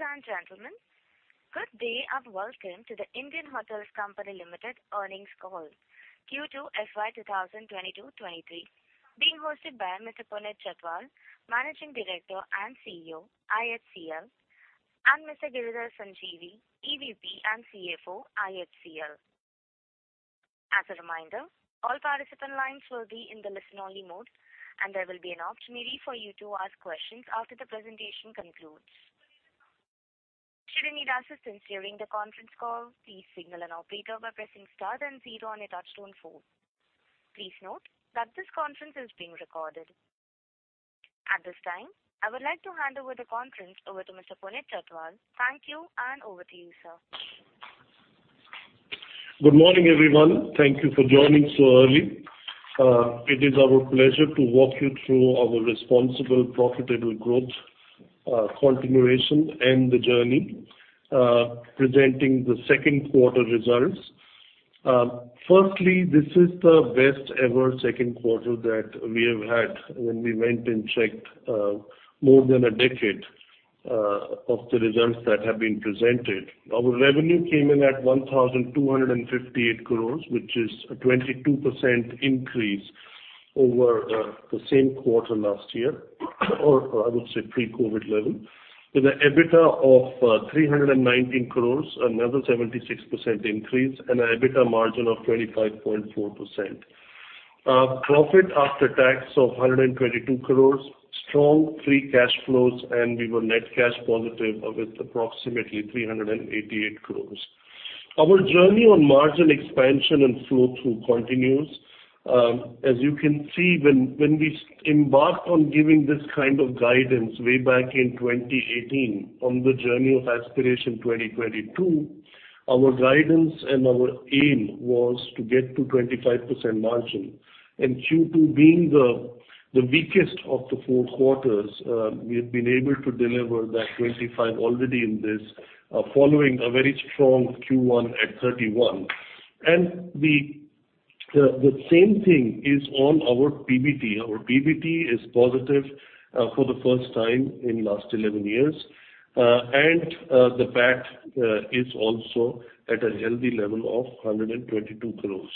Ladies and gentlemen, good day, and welcome to The Indian Hotels Company Limited Earnings Call. Q2 FY 2022-2023. Being hosted by Mr. Puneet Chhatwal, Managing Director and CEO, IHCL, and Mr. Giridhar Sanjeevi, EVP and CFO, IHCL. As a reminder, all participant lines will be in the listen-only mode, and there will be an opportunity for you to ask questions after the presentation concludes. Should you need assistance during the conference call, please signal an operator by pressing star then zero on your touch-tone phone. Please note that this conference is being recorded. At this time, I would like to hand over the conference to Mr. Puneet Chhatwal. Thank you, and over to you, sir. Good morning, everyone. Thank you for joining so early. It is our pleasure to walk you through our responsible profitable growth, continuation and the journey, presenting the 2nd quarter results. Firstly, this is the best ever 2nd quarter that we have had when we went and checked, more than a decade of the results that have been presented. Our revenue came in at 1,258 crores, which is a 22% increase over the same quarter last year, or I would say pre-COVID level. With an EBITDA of 319 crores, another 76% increase, and an EBITDA margin of 25.4%. Profit after tax of 122 crores, strong free cash flows, and we were net cash positive of approximately 388 crores. Our journey on margin expansion and flow-through continues. As you can see, when we embarked on giving this kind of guidance way back in 2018 on the journey of Aspiration 2022, our guidance and our aim was to get to 25% margin. Q2 being the weakest of the four quarters, we have been able to deliver that 25% already in this following a very strong Q1 at 31%. The same thing is on our PBT. Our PBT is positive for the first time in last 11 years. The PAT is also at a healthy level of 122 crores.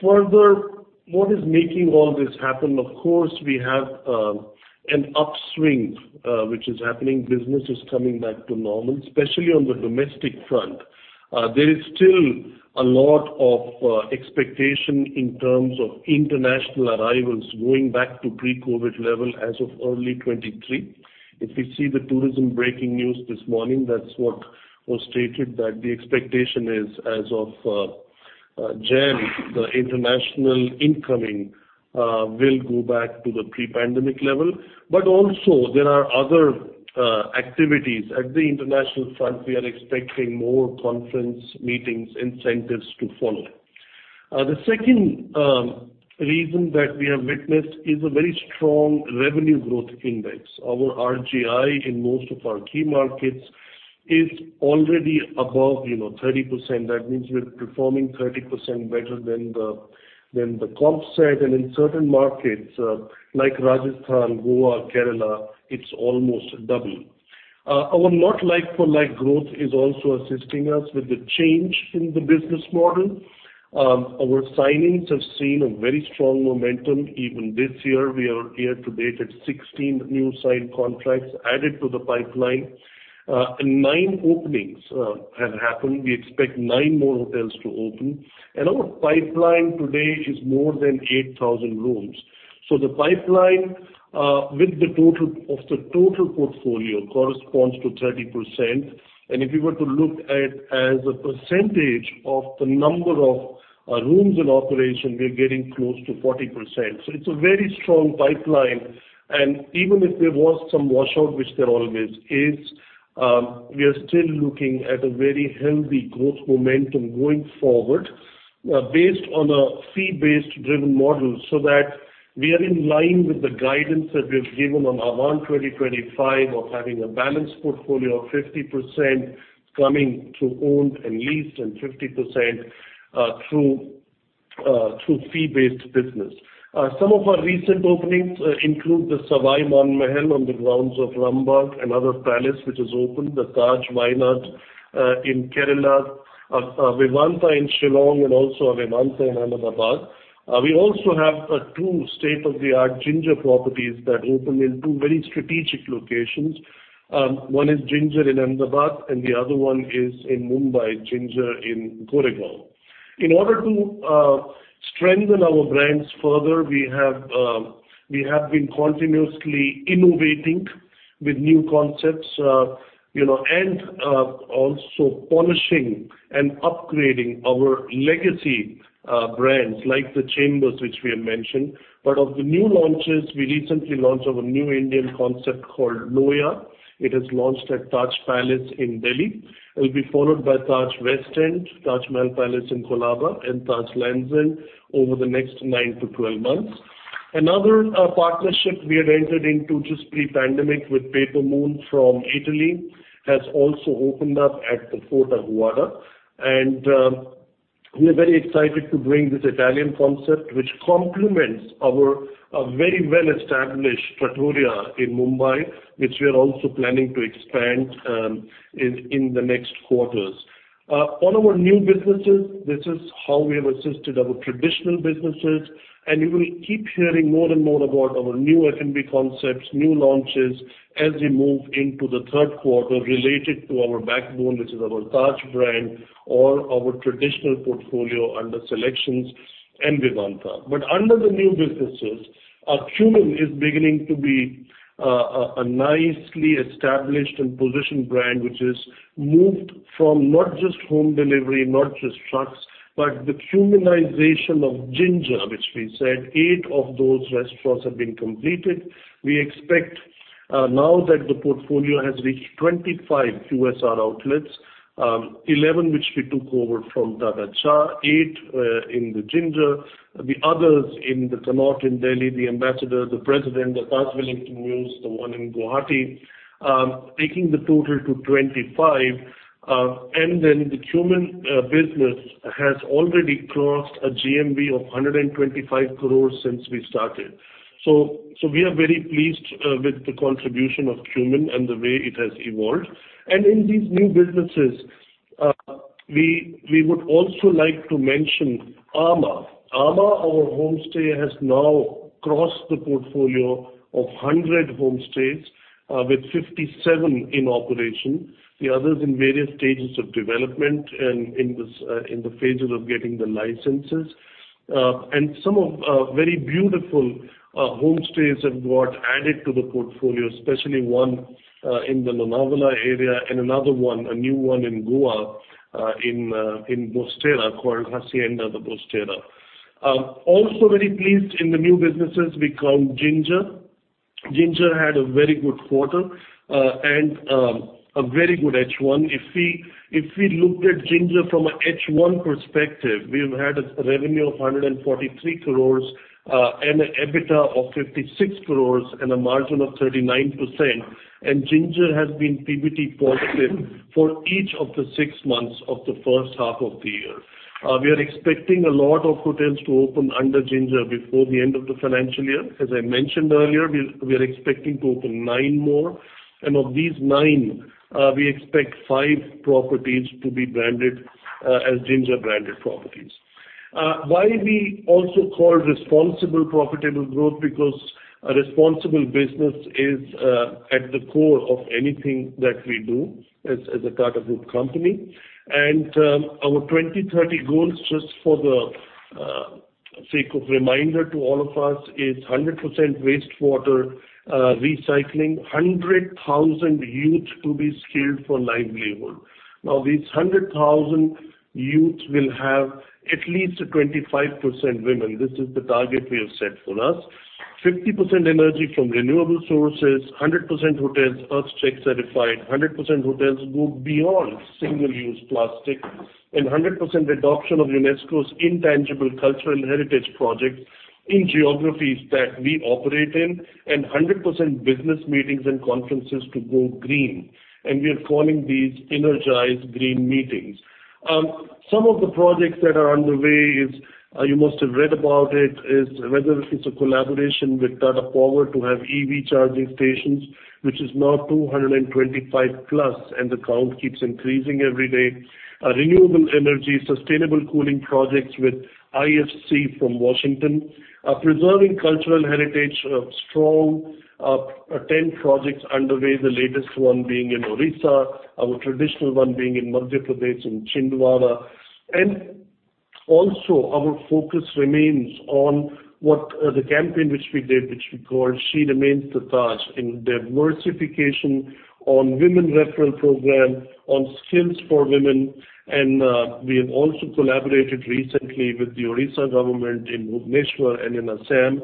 Further, what is making all this happen? Of course, we have an upswing which is happening. Business is coming back to normal, especially on the domestic front. There is still a lot of expectation in terms of international arrivals going back to pre-COVID level as of early 2023. If you see the tourism breaking news this morning, that's what was stated, that the expectation is as of January, the international incoming will go back to the pre-pandemic level. Also there are other activities. At the international front, we are expecting more conference meetings, incentives to follow. The second reason that we have witnessed is a very strong revenue growth index. Our RGI in most of our key markets is already above, you know, 30%. That means we're performing 30% better than the comp set. In certain markets like Rajasthan, Goa, Kerala, it's almost double. Our non like-for-like growth is also assisting us with the change in the business model. Our signings have seen a very strong momentum. Even this year, we are year-to-date at 16 new signed contracts added to the pipeline. Nine openings have happened. We expect nine more hotels to open. Our pipeline today is more than 8,000 rooms. The pipeline with the total portfolio corresponds to 30%. If you were to look at as a percentage of the number of rooms in operation, we are getting close to 40%. It's a very strong pipeline. Even if there was some washout, which there always is, we are still looking at a very healthy growth momentum going forward, based on a fee-based driven model, so that we are in line with the guidance that we have given on Ahvaan 2025 of having a balanced portfolio of 50% coming through owned and leased and 50% through fee-based business. Some of our recent openings include the Sawai Man Mahal on the grounds of Rambagh, another palace which is open, the Vivanta by Taj in Kerala, Vivanta in Shillong, and also a Vivanta in Ahmedabad. We also have two state-of-the-art Ginger properties that opened in two very strategic locations. One is Ginger in Ahmedabad, and the other one is in Mumbai, Ginger in Goregaon. In order to strengthen our brands further, we have been continuously innovating with new concepts, you know, and also polishing and upgrading our legacy brands like The Chambers, which we have mentioned. Of the new launches, we recently launched a new Indian concept called Loya. It is launched at Taj Palace, New Delhi. It will be followed by Taj West End, Bengaluru, The Taj Mahal Palace in Colaba, and Taj Lands End, Mumbai over the next nine to 12 months. Another partnership we had entered into just pre-pandemic with Paper Moon from Italy has also opened up at the Fort Aguada. We are very excited to bring this Italian concept, which complements our very well-established Trattoria in Mumbai, which we are also planning to expand in the next quarters. All our new businesses, this is how we have assisted our traditional businesses, and you will keep hearing more and more about our new F&B concepts, new launches as we move into the third quarter related to our backbone, which is our Taj brand or our traditional portfolio under SeleQtions and Vivanta. Under the new businesses, our Qmin is beginning to be a nicely established and positioned brand, which has moved from not just home delivery, not just trucks, but the Qminization of Ginger, which we said eight of those restaurants have been completed. We expect now that the portfolio has reached 25 QSR outlets, 11 which we took over from Tata Cha, eight in the Ginger, the others in the Connaught Place in Delhi, the Ambassador, the President, the Taj Wellington Mews, the one in Guwahati, taking the total to 25. The Qmin business has already crossed a GMV of 125 crore since we started. So we are very pleased with the contribution of Qmin and the way it has evolved. In these new businesses, we would also like to mention amã. amã, our homestay has now crossed the portfolio of 100 homestays with 57 in operation, the others in various stages of development and in the phases of getting the licenses. Some very beautiful homestays have got added to the portfolio, especially one in the Lonavala area and another one, a new one in Goa, in Bastora called Hacienda de Bastora. Also very pleased with the new businesses. Ginger had a very good quarter, and a very good H1. If we looked at Ginger from a H1 perspective, we have had a revenue of 143 crores and an EBITDA of 56 crores and a margin of 39%. Ginger has been PBT positive for each of the six months of the 1st half of the year. We are expecting a lot of hotels to open under Ginger before the end of the financial year. As I mentioned earlier, we are expecting to open nine more. Of these nine, we expect five properties to be branded as Ginger branded properties. Why we also call responsible profitable growth because a responsible business is at the core of anything that we do as a Tata Group company. Our 2030 goals, just for the sake of reminder to all of us, is 100% wastewater recycling, 100,000 youth to be skilled for livelihood. Now, these 100,000 youths will have at least 25% women. This is the target we have set for us. 50% energy from renewable sources, 100% hotels EarthCheck certified, 100% hotels go beyond single-use plastic, and 100% adoption of UNESCO's Intangible Cultural Heritage project in geographies that we operate in, and 100% business meetings and conferences to go green, and we are calling these energized green meetings. Some of the projects that are underway, you must have read about it, is our collaboration with Tata Power to have EV charging stations, which is now +225, and the count keeps increasing every day. Renewable energy, sustainable cooling projects with IFC from Washington. Preserving cultural heritage strong, 10 projects underway, the latest one being in Orissa, our traditional one being in Madhya Pradesh in Chhindwara. Also our focus remains on what, the campaign which we did, which we called She Remains the Taj in diversification on women referral program, on skills for women. We have also collaborated recently with the Orissa government in Bhubaneswar and in Assam,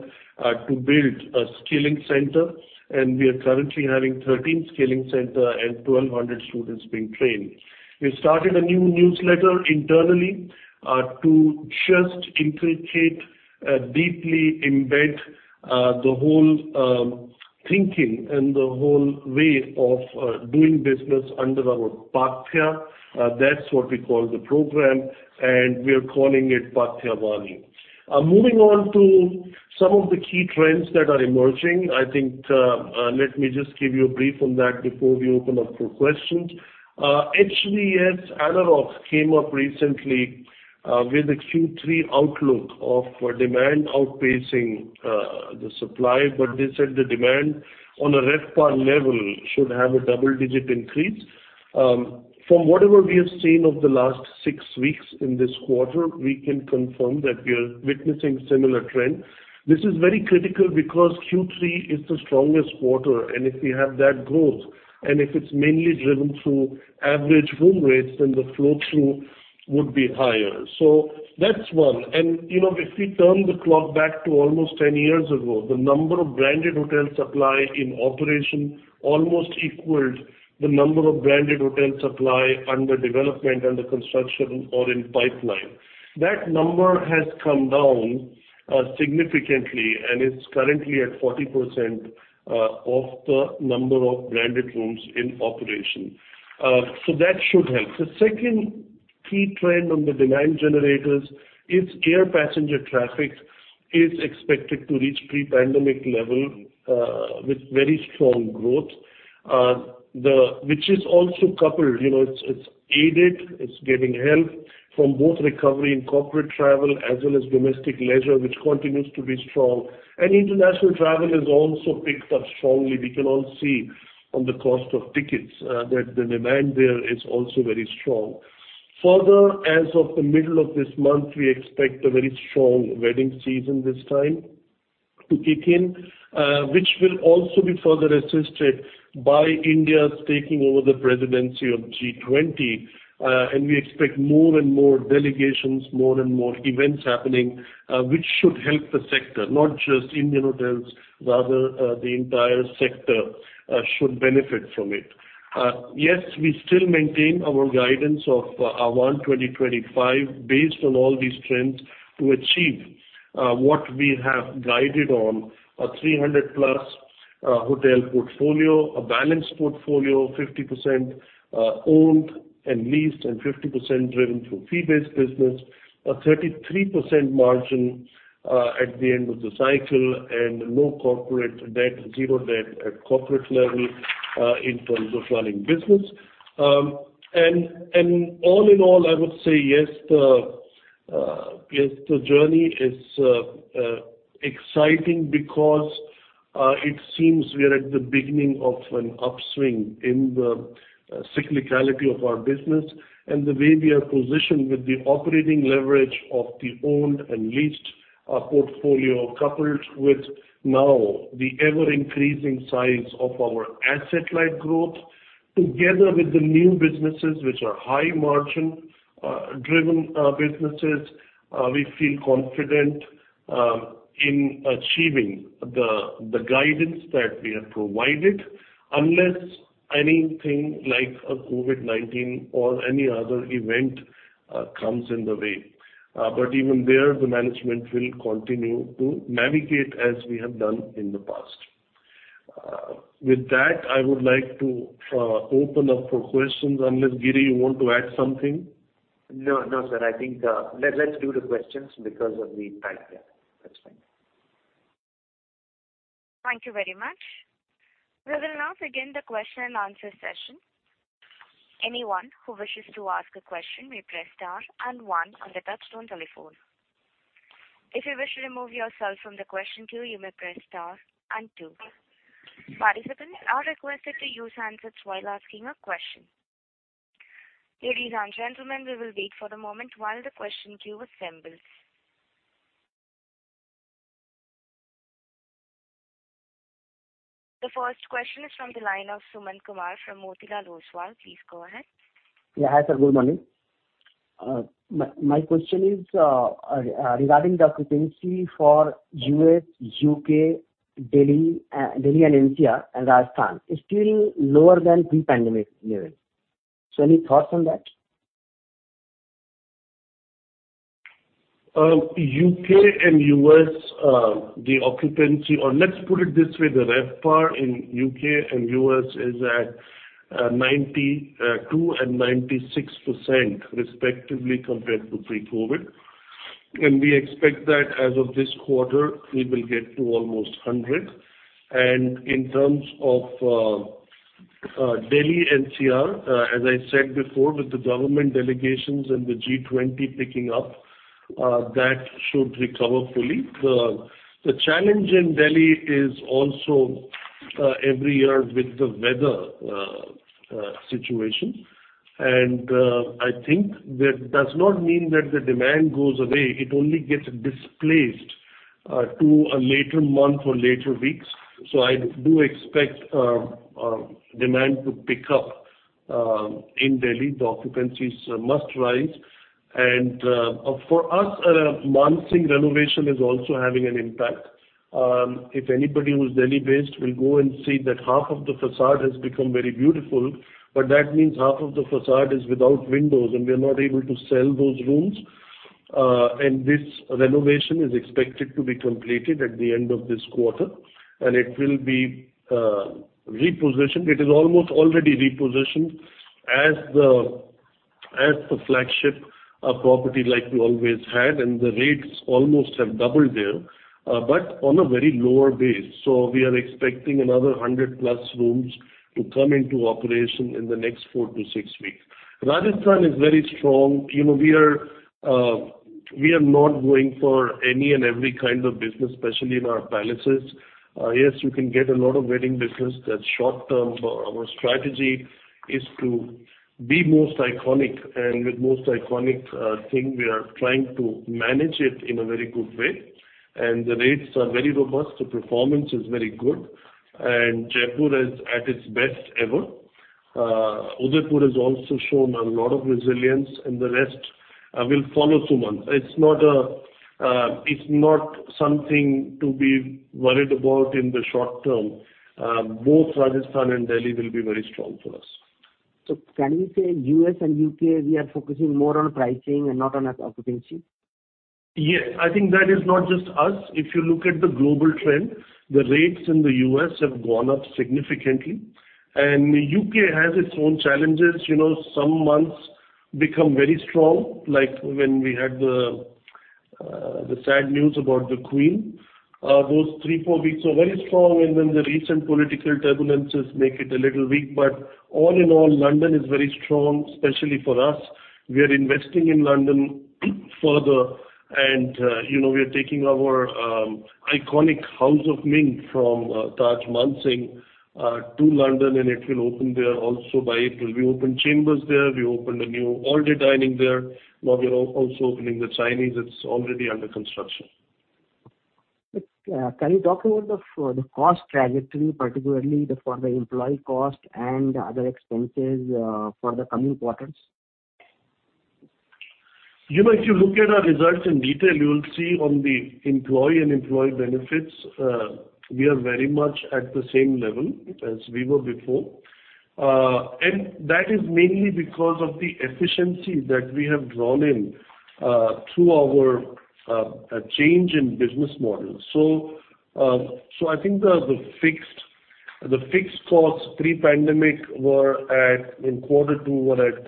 to build a skilling center, and we are currently having 13 skilling centers and 1,200 students being trained. We started a new newsletter internally, to just integrate, deeply embed, the whole thinking and the whole way of doing business under our Paathya. That's what we call the program, and we are calling it Paathya. Moving on to some of the key trends that are emerging. I think, let me just give you a brief on that before we open up for questions. HVS ANAROCK came up recently with a Q3 outlook of demand outpacing the supply. They said the demand on a RevPAR level should have a double-digit increase. From whatever we have seen over the last six weeks in this quarter, we can confirm that we are witnessing similar trend. This is very critical because Q3 is the strongest quarter, and if we have that growth, and if it's mainly driven through average room rates, then the flow-through would be higher. That's one. You know, if we turn the clock back to almost 10 years ago, the number of branded hotel supply in operation almost equaled the number of branded hotel supply under development, under construction, or in pipeline. That number has come down significantly, and it's currently at 40% of the number of branded rooms in operation. So that should help. The second key trend on the demand generators is air passenger traffic is expected to reach pre-pandemic level with very strong growth. Which is also coupled. You know, it's aided, getting help from both recovery in corporate travel as well as domestic leisure, which continues to be strong. International travel has also picked up strongly. We can all see on the cost of tickets that the demand there is also very strong. Further, as of the middle of this month, we expect a very strong wedding season this time to kick in, which will also be further assisted by India's taking over the presidency of G20, and we expect more and more delegations, more and more events happening, which should help the sector, not just Indian Hotels, rather, the entire sector, should benefit from it. Yes, we still maintain our guidance of our 2025 based on all these trends to achieve, what we have guided on a +300 hotel portfolio, a balanced portfolio, 50% owned and leased, and 50% driven through fee-based business. A 33% margin, at the end of the cycle, and no corporate debt, zero debt at corporate level, in terms of running business. All in all, I would say yes, the journey is exciting because it seems we are at the beginning of an upswing in the cyclicality of our business. The way we are positioned with the operating leverage of the owned and leased portfolio coupled with now the ever-increasing size of our asset light growth, together with the new businesses which are high margin driven businesses, we feel confident in achieving the guidance that we have provided, unless anything like a COVID-19 or any other event comes in the way. Even there, the management will continue to navigate as we have done in the past. With that, I would like to open up for questions, unless, Giri, you want to add something? No, no, sir. I think, let's do the questions because of the time there. That's fine. Thank you very much. We will now begin the question and answer session. Anyone who wishes to ask a question may press star and one on the touch-tone telephone. If you wish to remove yourself from the question queue, you may press star and two. Participants are requested to use handsets while asking a question. Ladies and gentlemen, we will wait for the moment while the question queue assembles. The first question is from the line of Sumant Kumar from Motilal Oswal. Please go ahead. Yeah. Hi, sir. Good morning. My question is regarding the occupancy for U.S., U.K., Delhi and NCR and Rajasthan is still lower than pre-pandemic level. Any thoughts on that? U.K. and U.S., the RevPAR in U.K. and U.S. is at 92% and 96% respectively compared to pre-COVID. We expect that as of this quarter it will get to almost 100%. In terms of Delhi NCR, as I said before, with the government delegations and the G20 picking up, that should recover fully. The challenge in Delhi is also every year with the weather situation. I think that does not mean that the demand goes away, it only gets displaced to a later month or later weeks. I do expect demand to pick up in Delhi. The occupancies must rise. For us a Taj Mansingh renovation is also having an impact. If anybody who's Delhi-based will go and see that half of the façade has become very beautiful, but that means half of the façade is without windows, and we are not able to sell those rooms. This renovation is expected to be completed at the end of this quarter, and it will be repositioned. It is almost already repositioned as the flagship property like we always had, and the rates almost have doubled there, but on a very lower base. We are expecting another +100 rooms to come into operation in the next four to six weeks. Rajasthan is very strong. You know, we are not going for any and every kind of business, especially in our palaces. Yes, you can get a lot of wedding business that's short-term. Our strategy is to be most iconic, and with most iconic thing we are trying to manage it in a very good way. The rates are very robust. The performance is very good. Jaipur is at its best ever. Udaipur has also shown a lot of resilience, and the rest will follow Sumant. It's not something to be worried about in the short term. Both Rajasthan and Delhi will be very strong for us. Can we say U.S. and U.K., we are focusing more on pricing and not on occupancy? Yes. I think that is not just us. If you look at the global trend, the rates in the U.S. have gone up significantly. U.K. has its own challenges. You know, some months become very strong, like when we had the sad news about the Queen. Those three, four weeks were very strong, and then the recent political turbulences make it a little weak. All in all, London is very strong, especially for us. We are investing in London further and, you know, we are taking our iconic House of Ming from Taj Mansingh to London, and it will open there also by April. We opened Chambers there. We opened a new All Day Dining there. Now we are also opening the Chinese. It's already under construction. Can you talk about the cost trajectory, particularly for the employee cost and other expenses, for the coming quarters? You know, if you look at our results in detail, you will see on the employee and employee benefits, we are very much at the same level as we were before. That is mainly because of the efficiency that we have drawn in through our change in business model. I think the fixed costs pre-pandemic, in quarter two, were at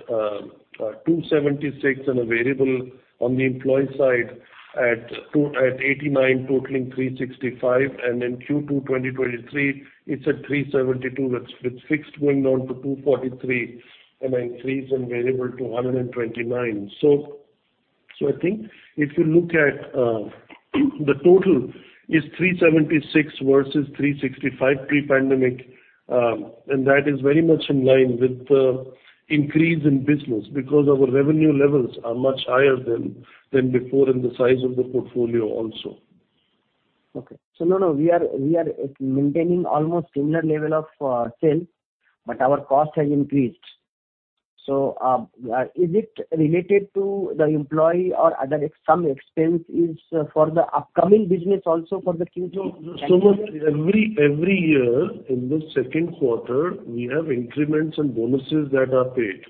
276 and a variable on the employee side at 89, totaling 365. Q2 2023, it's at 372, with fixed going down to 243 and an increase in variable to 129. I think if you look at the total is 376 versus 365 pre-pandemic, and that is very much in line with the increase in business because our revenue levels are much higher than before and the size of the portfolio also. No, we are maintaining almost similar level of sales, but our cost has increased. Is it related to the employee or other expenses? Some expense is for the upcoming business also for the Q3? No, Sumant, every year in the 2nd quarter, we have increments and bonuses that are paid.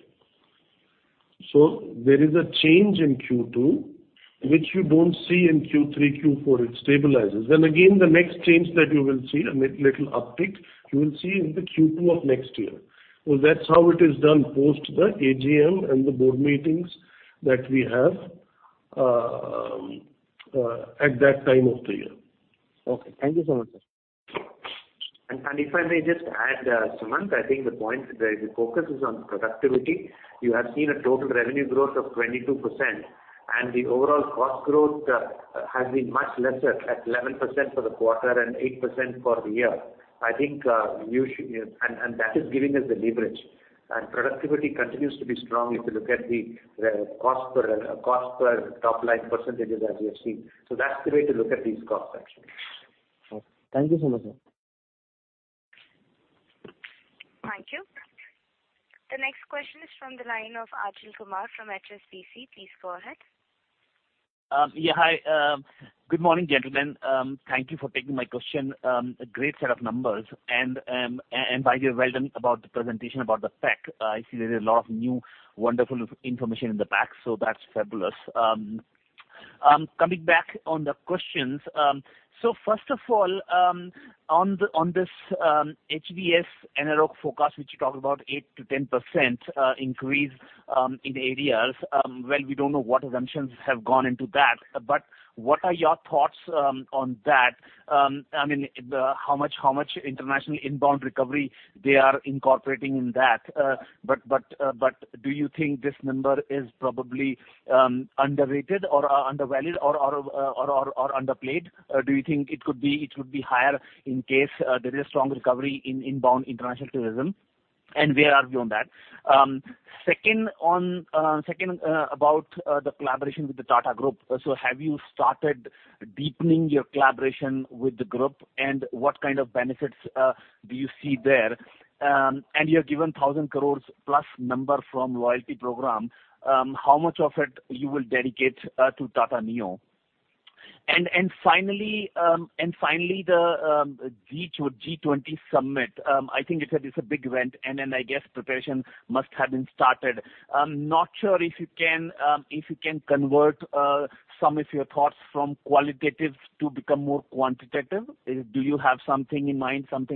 There is a change in Q2 which you don't see in Q3, Q4. It stabilizes. The next change that you will see, a little uptick, you will see in the Q2 of next year. That's how it is done post the AGM and the board meetings that we have, at that time of the year. Okay. Thank you so much, sir. If I may just add, Sumant, I think the point, the focus is on productivity. You have seen a total revenue growth of 22%, and the overall cost growth has been much lesser at 11% for the quarter and 8% for the year. I think, and that is giving us the leverage. Productivity continues to be strong if you look at the cost per top line percentages as you have seen. That's the way to look at these cost actually. Okay. Thank you so much, sir. Thank you. The next question is from the line of Achal Kumar from HSBC. Please go ahead. Hi. Good morning, gentlemen. Thank you for taking my question. A great set of numbers and, by the way, well done about the presentation about the pack. I see there is a lot of new wonderful information in the pack, so that's fabulous. Coming back on the questions, first of all, on this HVS ANAROCK forecast, which you talk about 8%-10% increase in ADRs, well, we don't know what assumptions have gone into that, but what are your thoughts on that? I mean, how much international inbound recovery they are incorporating in that? But do you think this number is probably underrated or undervalued or underplayed? Do you think it would be higher in case there is strong recovery in inbound international tourism? Where are we on that? Second, about the collaboration with the Tata Group. Have you started deepening your collaboration with the group? What kind of benefits do you see there? You have given 1,000 crores plus number from loyalty program. How much of it you will dedicate to Tata Neu? Finally, the G20 Summit. I think it's a big event. Then I guess preparation must have been started. I'm not sure if you can convert some of your thoughts from qualitative to become more quantitative. Do you have something in mind, some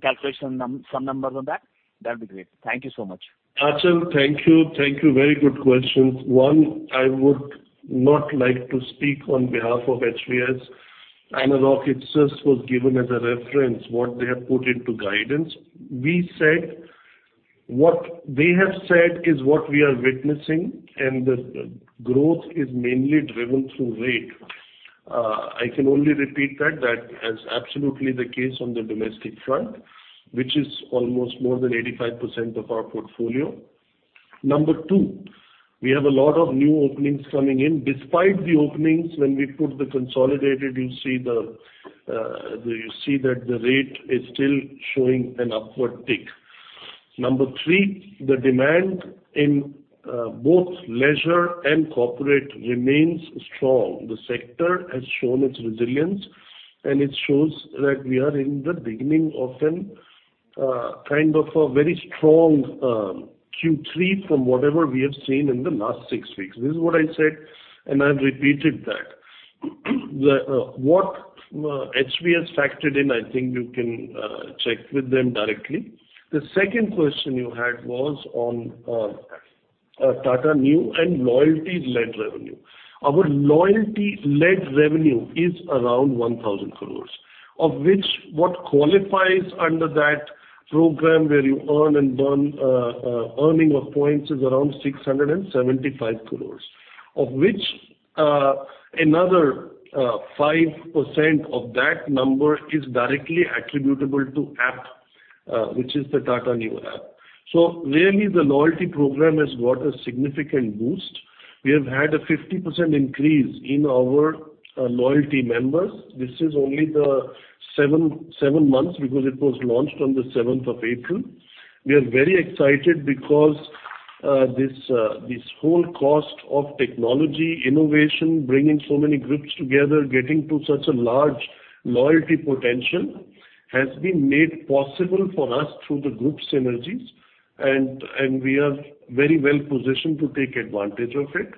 calculation, some numbers on that? That'd be great. Thank you so much. Achal, thank you. Very good questions. One, I would not like to speak on behalf of HVS analog. It just was given as a reference, what they have put into guidance. We said what they have said is what we are witnessing, and the growth is mainly driven through rate. I can only repeat that that is absolutely the case on the domestic front, which is almost more than 85% of our portfolio. Number two, we have a lot of new openings coming in. Despite the openings, when we put the consolidated, you see that the rate is still showing an upward tick. Number three, the demand in both leisure and corporate remains strong. The sector has shown its resilience. It shows that we are in the beginning of a kind of a very strong Q3 from whatever we have seen in the last six weeks. This is what I said, and I've repeated that. What HVS factored in, I think you can check with them directly. The second question you had was on Tata Neu and loyalty-led revenue. Our loyalty-led revenue is around 1,000 crores. Of which what qualifies under that program where you earn and burn earning of points is around 675 crores. Of which another 5% of that number is directly attributable to the app which is the Tata Neu app. So really the loyalty program has got a significant boost. We have had a 50% increase in our loyalty members. This is only the seven months because it was launched on the 7th of April. We are very excited because this whole quest for technology, innovation, bringing so many groups together, getting to such a large loyalty potential has been made possible for us through the group synergies and we are very well positioned to take advantage of it.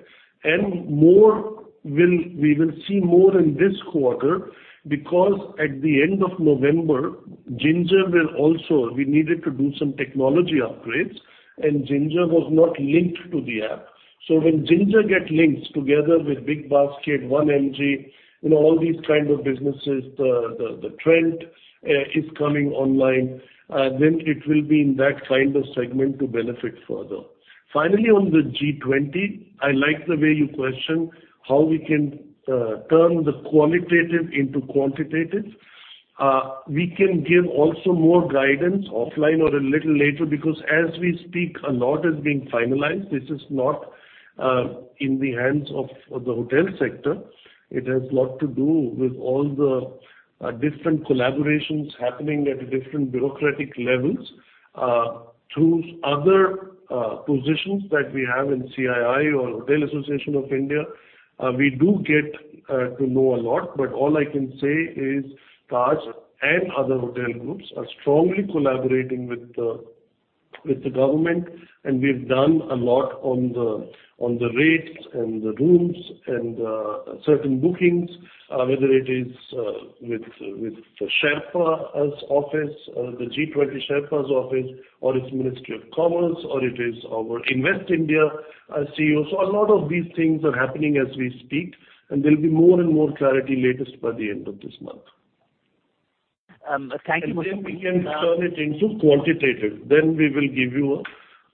We will see more in this quarter because at the end of November, Ginger will also. We needed to do some technology upgrades, and Ginger was not linked to the app. When Ginger gets linked together with BigBasket, 1mg, you know, all these kind of businesses, the Trent is coming online, then it will be in that kind of segment to benefit further. Finally, on the G20, I like the way you question how we can turn the qualitative into quantitative. We can give also more guidance offline or a little later because as we speak, a lot is being finalized. This is not in the hands of the hotel sector. It has a lot to do with all the different collaborations happening at different bureaucratic levels. Through other positions that we have in CII or Hotel Association of India, we do get to know a lot, but all I can say is Taj and other hotel groups are strongly collaborating with the government, and we've done a lot on the rates and the rooms and certain bookings, whether it is with the Sherpa's office or the G20 Sherpa's office or it's Ministry of Commerce or it is our Invest India CEO. A lot of these things are happening as we speak, and there'll be more and more clarity latest by the end of this month. Thank you, Mr... We can turn it into quantitative. We will give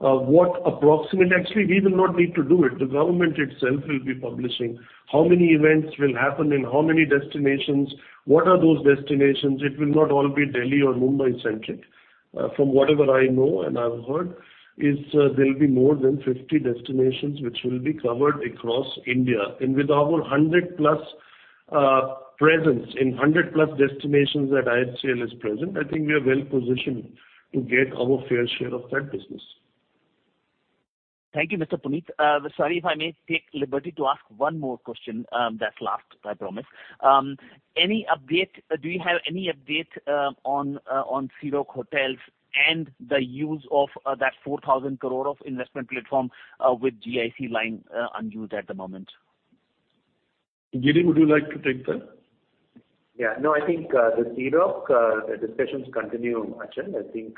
you what approximate... Actually, we will not need to do it. The government itself will be publishing how many events will happen in how many destinations, what are those destinations. It will not all be Delhi or Mumbai-centric. From whatever I know and I've heard is there'll be more than 50 destinations which will be covered across India. With our 100-plus presence in 100-plus destinations that IHCL is present, I think we are well positioned to get our fair share of that business. Thank you, Mr. Puneet. Sorry if I may take liberty to ask one more question, that's last, I promise. Do you have any update on Sea Rock Hotel and the use of that 4,000 crore investment platform with GIC lying unused at the moment? Giri, would you like to take that? Yeah. No, I think the Sea Rock, the discussions continue, Achal. I think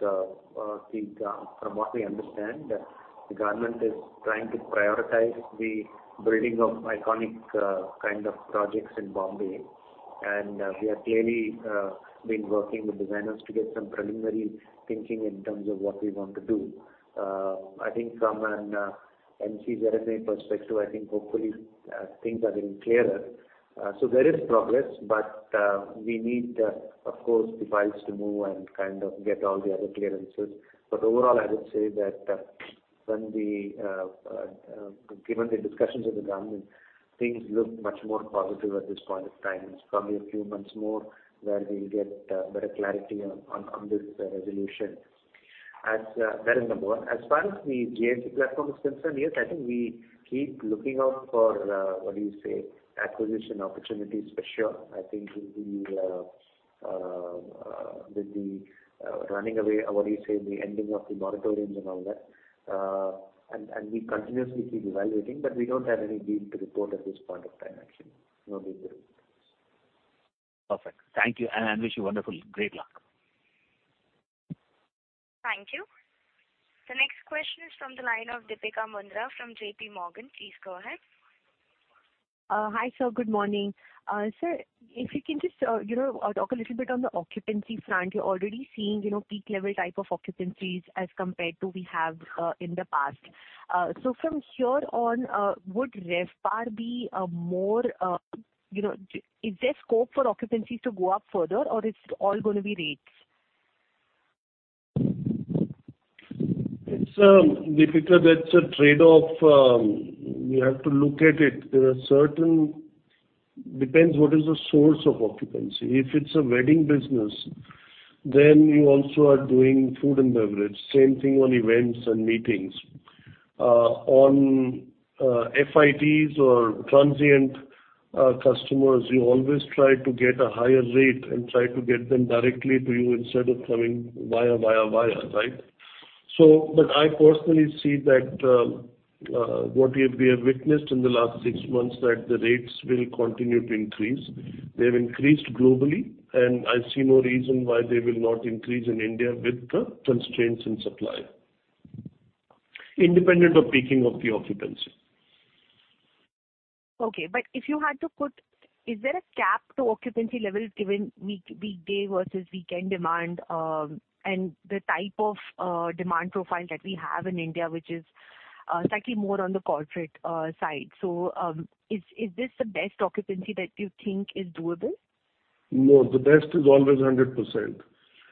from what we understand, the government is trying to prioritize the building of iconic kind of projects in Bombay. We have clearly been working with designers to get some preliminary thinking in terms of what we want to do. I think from an MCZMA perspective, I think hopefully things are getting clearer. There is progress, but we need, of course, the files to move and kind of get all the other clearances. Overall, I would say that given the discussions with the government, things look much more positive at this point in time. It's probably a few months more where we'll get better clarity on this resolution. That is number one. As far as the GIC platform is concerned, yes, I think we keep looking out for what do you say, acquisition opportunities for sure. I think with the running out or what do you say, the ending of the moratoriums and all that, and we continuously keep evaluating, but we don't have any deal to report at this point of time, Achal. No deal to report. Perfect. Thank you, and I wish you wonderful, great luck. Thank you. The next question is from the line of Deepika Mundra from J.P. Morgan. Please go ahead. Hi, sir. Good morning. Sir, if you can just, you know, talk a little bit on the occupancy front. You're already seeing, you know, peak level type of occupancies as compared to we have in the past. So from here on, would RevPAR be a more, you know, is there scope for occupancies to go up further or it's all gonna be rates? It's Deepika, that's a trade-off. We have to look at it. Depends what is the source of occupancy. If it's a wedding business, then you also are doing food and beverage. Same thing on events and meetings. On FITs or transient customers, you always try to get a higher rate and try to get them directly to you instead of coming via, right? I personally see that what we have witnessed in the last six months that the rates will continue to increase. They've increased globally and I see no reason why they will not increase in India with the constraints in supply. Independent of peaking of the occupancy. Is there a cap to occupancy levels given weekday versus weekend demand, and the type of demand profile that we have in India which is slightly more on the corporate side? Is this the best occupancy that you think is doable? No, the best is always 100%,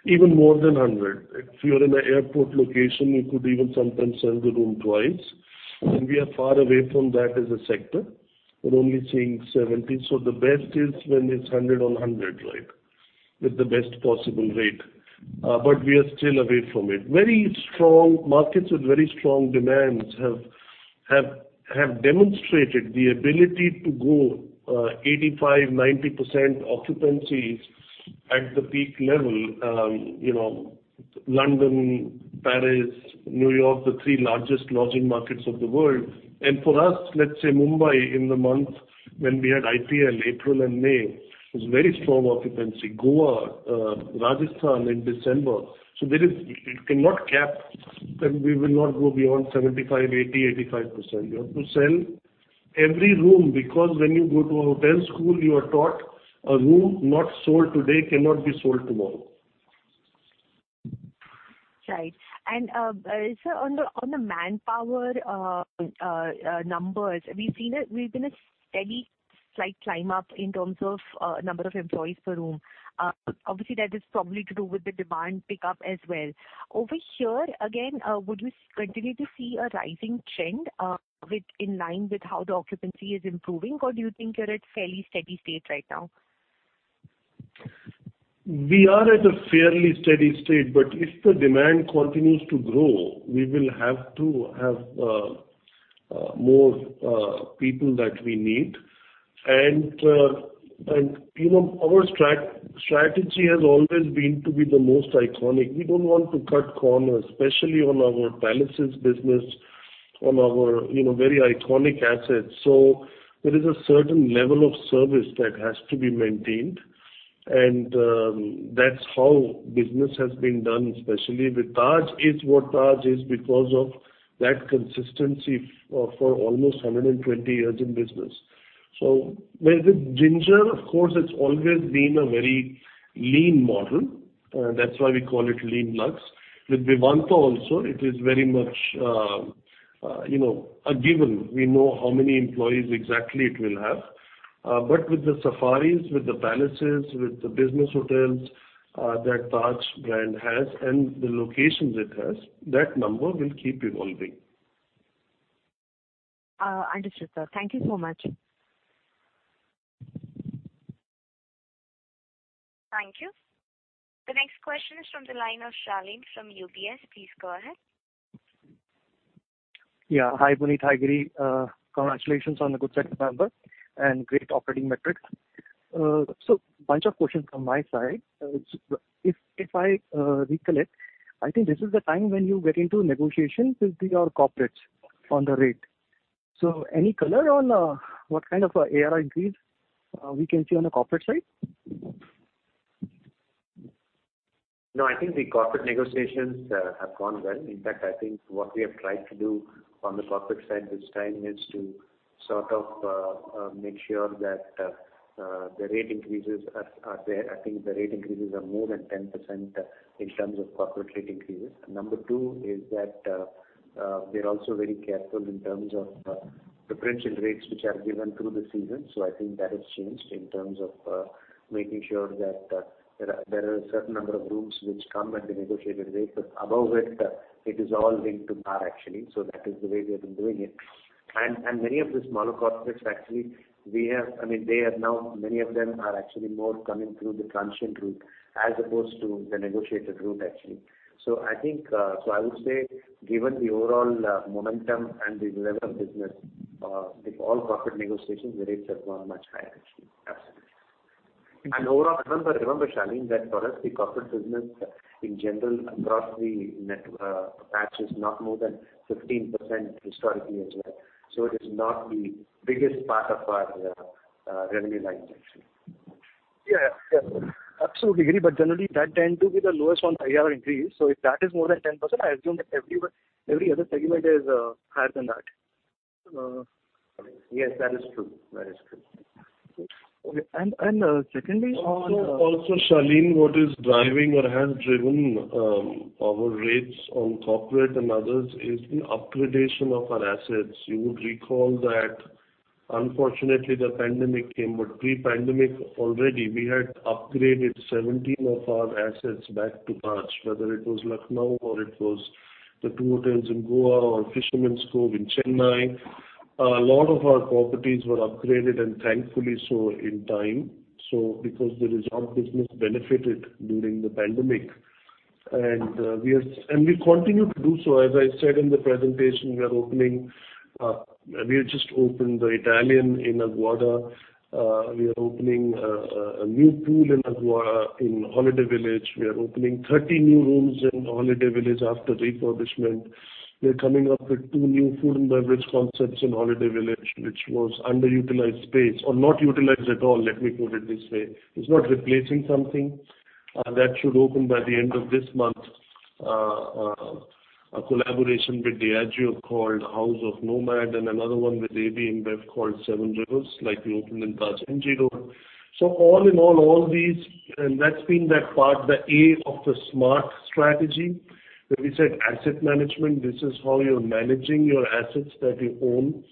even more than 100%. If you are in an airport location, you could even sometimes sell the room twice. We are far away from that as a sector. We're only seeing 70%. The best is when it's 100% on 100%, right, with the best possible rate. But we are still away from it. Very strong markets with very strong demands have demonstrated the ability to go 85%, 90% occupancies at the peak level. You know, London, Paris, New York, the three largest lodging markets of the world. For us, let's say Mumbai in the month when we had IPL, April and May was very strong occupancy. Goa, Rajasthan in December. There is you cannot cap that we will not go beyond 75%, 80%, 85%. You have to sell every room because when you go to a hotel school you are taught a room not sold today cannot be sold tomorrow. Right. Sir, on the manpower numbers, we've seen a steady slight climb up in terms of number of employees per room. Obviously that is probably to do with the demand pickup as well. Over here again, would you continue to see a rising trend in line with how the occupancy is improving, or do you think you're at fairly steady state right now? We are at a fairly steady state, but if the demand continues to grow, we will have to have more people that we need. You know our strategy has always been to be the most iconic. We don't want to cut corners, especially on our palaces business, on our, you know, very iconic assets. There is a certain level of service that has to be maintained, and that's how business has been done, especially with Taj is what Taj is because of that consistency for almost 120 years in business. With Ginger, of course, it's always been a very lean model. That's why we call it lean luxe. With Vivanta also it is very much, you know, a given. We know how many employees exactly it will have. With the Safaris, with the Palaces, with the business hotels, that Taj brand has and the locations it has, that number will keep evolving. Understood, sir. Thank you so much. Thank you. The next question is from the line of Shalin Lakhani from UBS. Please go ahead. Yeah. Hi, Puneet. Hi, Giri. Congratulations on the good second number and great operating metrics. Bunch of questions from my side. If I recollect, I think this is the time when you get into negotiations with your corporates on the rate. Any color on what kind of ARI increase we can see on the corporate side? No, I think the corporate negotiations have gone well. In fact, I think what we have tried to do on the corporate side this time is to sort of make sure that the rate increases are there. I think the rate increases are more than 10% in terms of corporate rate increases. Number two is that we're also very careful in terms of differential rates which are given through the season. I think that has changed in terms of making sure that there are a certain number of rooms which come at the negotiated rate but above it is all linked to par actually. That is the way we have been doing it. Many of the smaller corporates actually. I mean they are now many of them are actually more coming through the transient route as opposed to the negotiated route actually. I think I would say given the overall momentum and the level of business with all corporate negotiations the rates have gone much higher actually. Absolutely. Mm-hmm. Overall remember Shalin that for us the corporate business in general across the network is not more than 15% historically as well. It is not the biggest part of our revenue line actually. Yeah. Absolutely agree. Generally that tend to be the lowest on ARI increase, so if that is more than 10% I assume that every other segment is higher than that. Yes, that is true. That is true. Okay. Secondly on- Shalin, what is driving or has driven our rates on corporate and others is the upgradation of our assets. You would recall that unfortunately the pandemic came, but pre-pandemic already we had upgraded 17 of our assets back to Taj, whether it was Lucknow or it was the two hotels in Goa or Fisherman's Cove in Chennai. A lot of our properties were upgraded, and thankfully so in time, so because the resort business benefited during the pandemic. We continue to do so. As I said in the presentation, we are opening, we have just opened the Italian in Aguada. We are opening a new pool in Aguada in Holiday Village. We are opening 30 new rooms in Holiday Village after refurbishment. We are coming up with two new food and beverage concepts in Holiday Village, which was underutilized space or not utilized at all, let me put it this way. It's not replacing something. That should open by the end of this month. A collaboration with Diageo called House of Nomad, and another one with AB InBev called Seven Rivers, like we opened in Taj Lands End. All in all these. That's been that part, the A of the SMART strategy. When we said asset management, this is how you're managing your assets that you own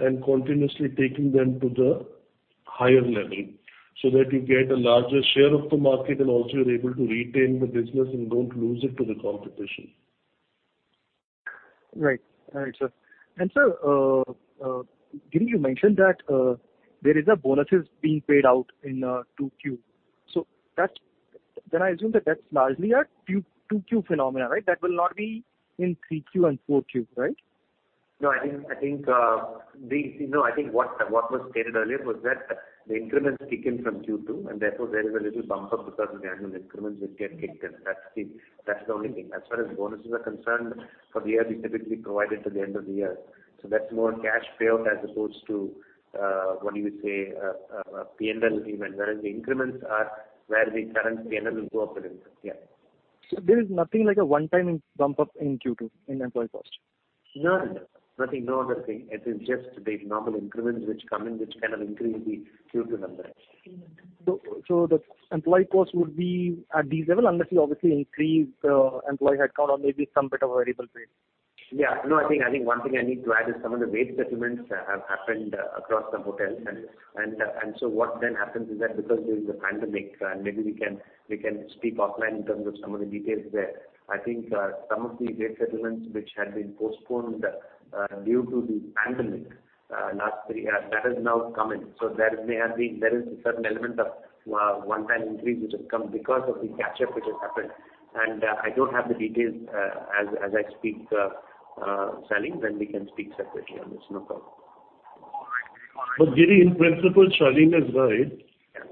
and continuously taking them to the higher level, so that you get a larger share of the market and also you're able to retain the business and don't lose it to the competition. Right, sir. Sir, Giri, you mentioned that there is bonuses being paid out in 2Q. I assume that's largely a 2Q phenomena, right? That will not be in 3Q and 4Q, right? No, I think what was stated earlier was that the increments kick in from Q2, and therefore there is a little bump up because of the annual increments which get kicked in. That's the only thing. As far as bonuses are concerned, for the year these typically provided till the end of the year. So that's more cash payout as opposed to P&L even. Whereas the increments are where the current P&L will go up a little. Yeah. There is nothing like a one-time bump up in Q2 in employee cost? No, nothing. No other thing. It is just the normal increments which come in which kind of increase the Q2 numbers. The employee cost would be at this level unless you obviously increase employee headcount or maybe some bit of variable pay. No, I think one thing I need to add is some of the wage settlements have happened across the hotels. What then happens is that because there is a pandemic, we can speak offline in terms of some of the details there. I think some of the wage settlements which had been postponed due to the pandemic last three years, that has now come in. There is a certain element of one-time increase which has come because of the catch-up which has happened. I don't have the details as I speak, Shalini. Then we can speak separately on this. No problem. Giri, in principle, Shalin is right.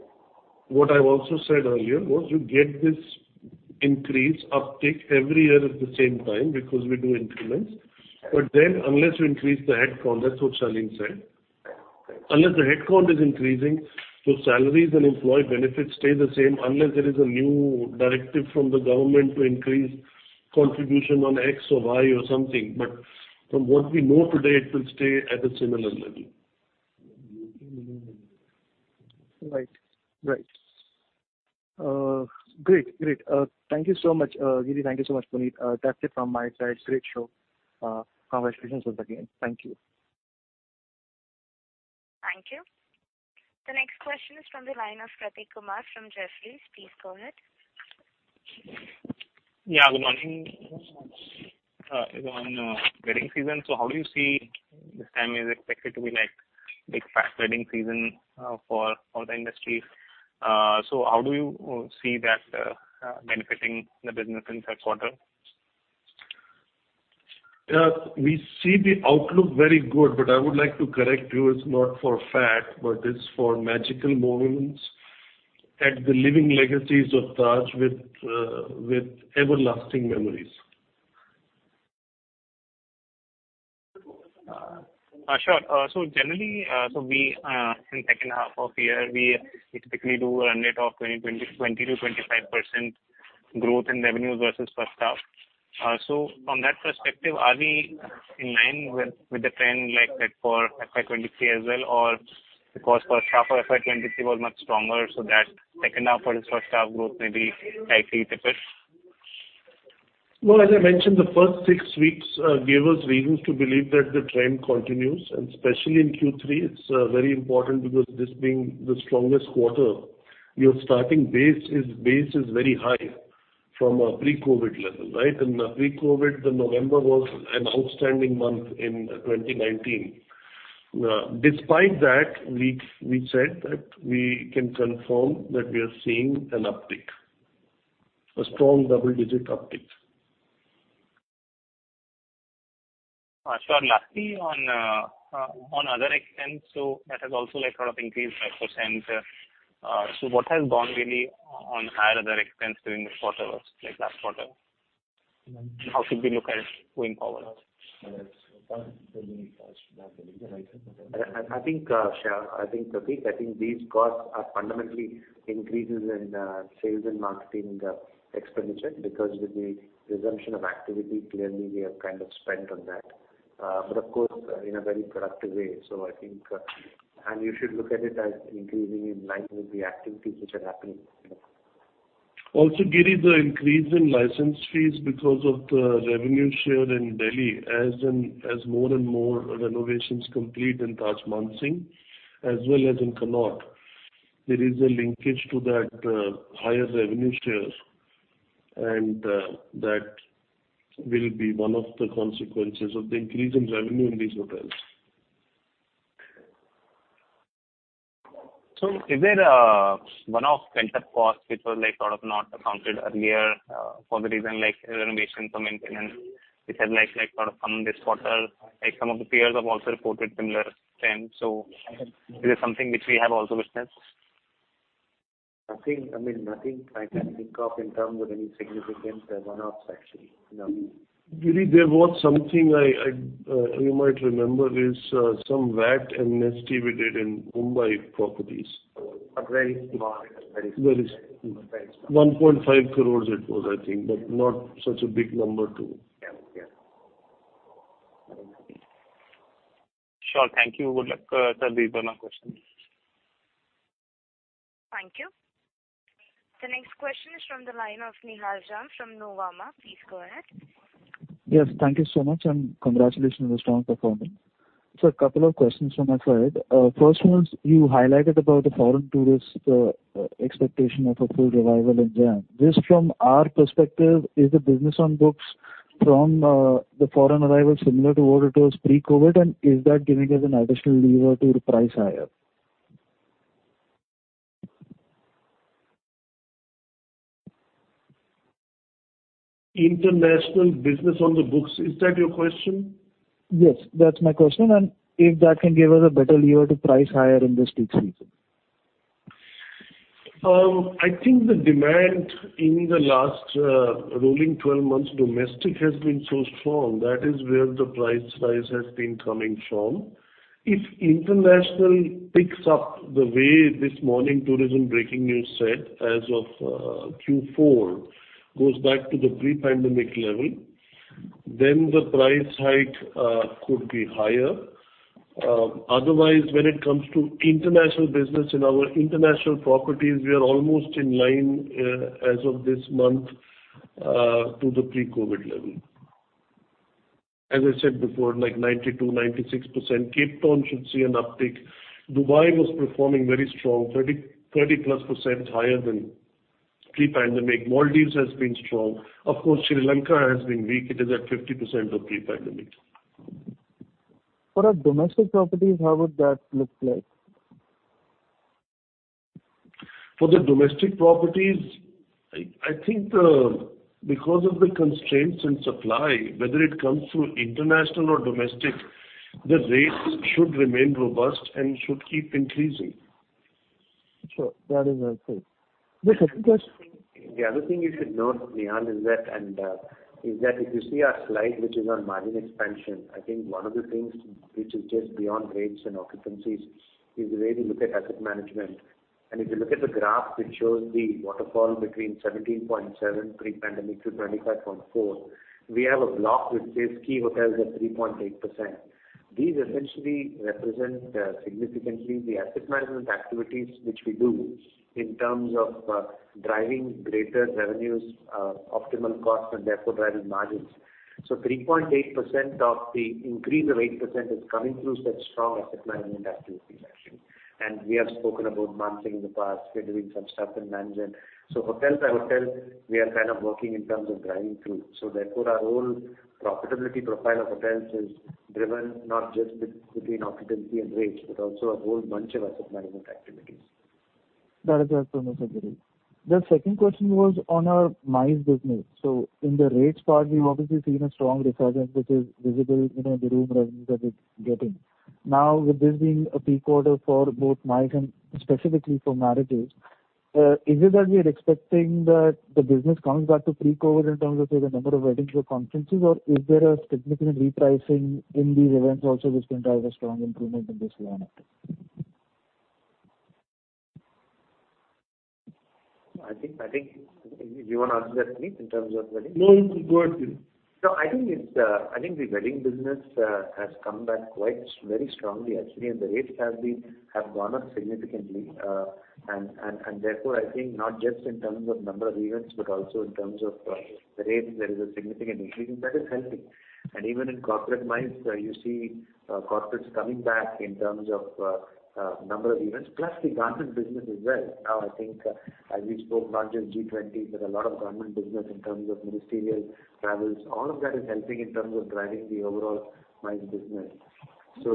What I've also said earlier was you get this increase uptick every year at the same time because we do increments. Unless you increase the headcount, that's what Shalin said. Unless the headcount is increasing, so salaries and employee benefits stay the same unless there is a new directive from the government to increase contribution on X or Y or something. From what we know today, it will stay at a similar level. Right. Great. Thank you so much, Giri. Thank you so much, Puneet. That's it from my side. Great show. Congratulations once again. Thank you. Thank you. The next question is from the line of Prateek Kumar from Jefferies. Please go ahead. Yeah, good morning. On wedding season, how do you see this time is expected to be like big fat wedding season for the industry. How do you see that benefiting the business in 3rd quarter? We see the outlook very good, but I would like to correct you, it's not for that, but it's for magical moments at the living legacies of Taj with everlasting memories. Sure. Generally, in 2nd half of the year, we typically do a run rate of 20%-25% growth in revenues versus 1st half. From that perspective, are we in line with the trend like that for FY 2023 as well? Or because 1st half of FY 2023 was much stronger, that 2nd half versus first half growth may be slightly tapered? Well, as I mentioned, the first six weeks gave us reasons to believe that the trend continues. Especially in Q3, it's very important because this being the strongest quarter, your starting base is very high from a pre-COVID level, right? In the pre-COVID, the November was an outstanding month in 2019. Despite that, we said that we can confirm that we are seeing an uptick, a strong double-digit uptick. Sure. Lastly, on other expense, that has also like sort of increased by 5%. What has gone really on higher other expense during this quarter like last quarter? How should we look at it going forward? I think, Prateek, these costs are fundamentally increases in sales and marketing expenditure because with the resumption of activity, clearly we have kind of spent on that. But of course, in a very productive way. I think, and you should look at it as increasing in line with the activities which are happening. Also, Giri, the increase in license fees because of the revenue share in Delhi as more and more renovations complete in Taj Mansingh as well as in Connaught, there is a linkage to that higher revenue shares. That will be one of the consequences of the increase in revenue in these hotels. Is there one-off pent-up costs which were like sort of not accounted earlier, for the reason like renovation for maintenance, which has like sort of come this quarter? Like some of the peers have also reported similar trends, is this something which we have also witnessed? I think, I mean, nothing I can think of in terms of any significant, one-offs actually. No. Really there was something I you might remember is some VAT amnesty we did in Mumbai properties. A very small. Very small. 1.5 crores it was, I think, but not such a big number to. Yeah. Yeah. Sure. Thank you. Good luck, sir. These were my questions. Thank you. The next question is from the line of Nihal Jham from Nuvama. Please go ahead. Yes, thank you so much, and congratulations on the strong performance. A couple of questions from my side. First one is you highlighted about the foreign tourists expectation of a full revival in Jan. This from our perspective is the business on books from the foreign arrivals similar to what it was pre-COVID, and is that giving us an additional lever to price higher? International business on the books, is that your question? Yes, that's my question. If that can give us a better lever to price higher in this peak season? I think the demand in the last rolling twelve months domestic has been so strong. That is where the price rise has been coming from. If international picks up the way this morning tourism breaking news said as of Q4 goes back to the pre-pandemic level, then the price hike could be higher. Otherwise when it comes to international business in our international properties, we are almost in line as of this month to the pre-COVID level. As I said before, like 92%-96%. Cape Town should see an uptick. Dubai was performing very strong, +30% higher than pre-pandemic. Maldives has been strong. Of course, Sri Lanka has been weak. It is at 50% of pre-pandemic. For our domestic properties, how would that look like? For the domestic properties, I think because of the constraints in supply, whether it comes through international or domestic, the rates should remain robust and should keep increasing. Sure. That is helpful. The second question. The other thing you should note, Nihal, is that if you see our slide which is on margin expansion, I think one of the things which is just beyond rates and occupancies is the way we look at asset management. If you look at the graph which shows the waterfall between 17.7% pre-pandemic to 25.4%, we have a block which says key hotels at 3.8%. These essentially represent significantly the asset management activities which we do in terms of driving greater revenues, optimal costs, and therefore driving margins. 3.8% of the increase of 8% is coming through such strong asset management activities actually. We have spoken about Mansingh in the past. We are doing some stuff in Nanjing. Hotel by hotel we are kind of working in terms of driving through. Therefore our whole profitability profile of hotels is driven not just with between occupancy and rates, but also a whole bunch of asset management activities. That is helpful, Mr. Giri. The second question was on our MICE business. In the rates part we've obviously seen a strong resurgence which is visible, you know, in the room revenues that we're getting. Now, with this being a peak quarter for both MICE and specifically for marriages, is it that we are expecting that the business comes back to pre-COVID in terms of, say, the number of weddings or conferences, or is there a significant repricing in these events also which can drive a strong improvement in this line item? I think. Do you wanna answer that, Puneet, in terms of weddings? No, go ahead, Giri. No, I think the wedding business has come back quite very strongly actually, and the rates have gone up significantly. Therefore, I think not just in terms of number of events, but also in terms of the rates, there is a significant increase, and that is helping. Even in corporate MICE, you see, corporates coming back in terms of number of events, plus the government business as well. Now, I think, as we spoke, not just G20, there's a lot of government business in terms of ministerial travels. All of that is helping in terms of driving the overall MICE business. Yeah.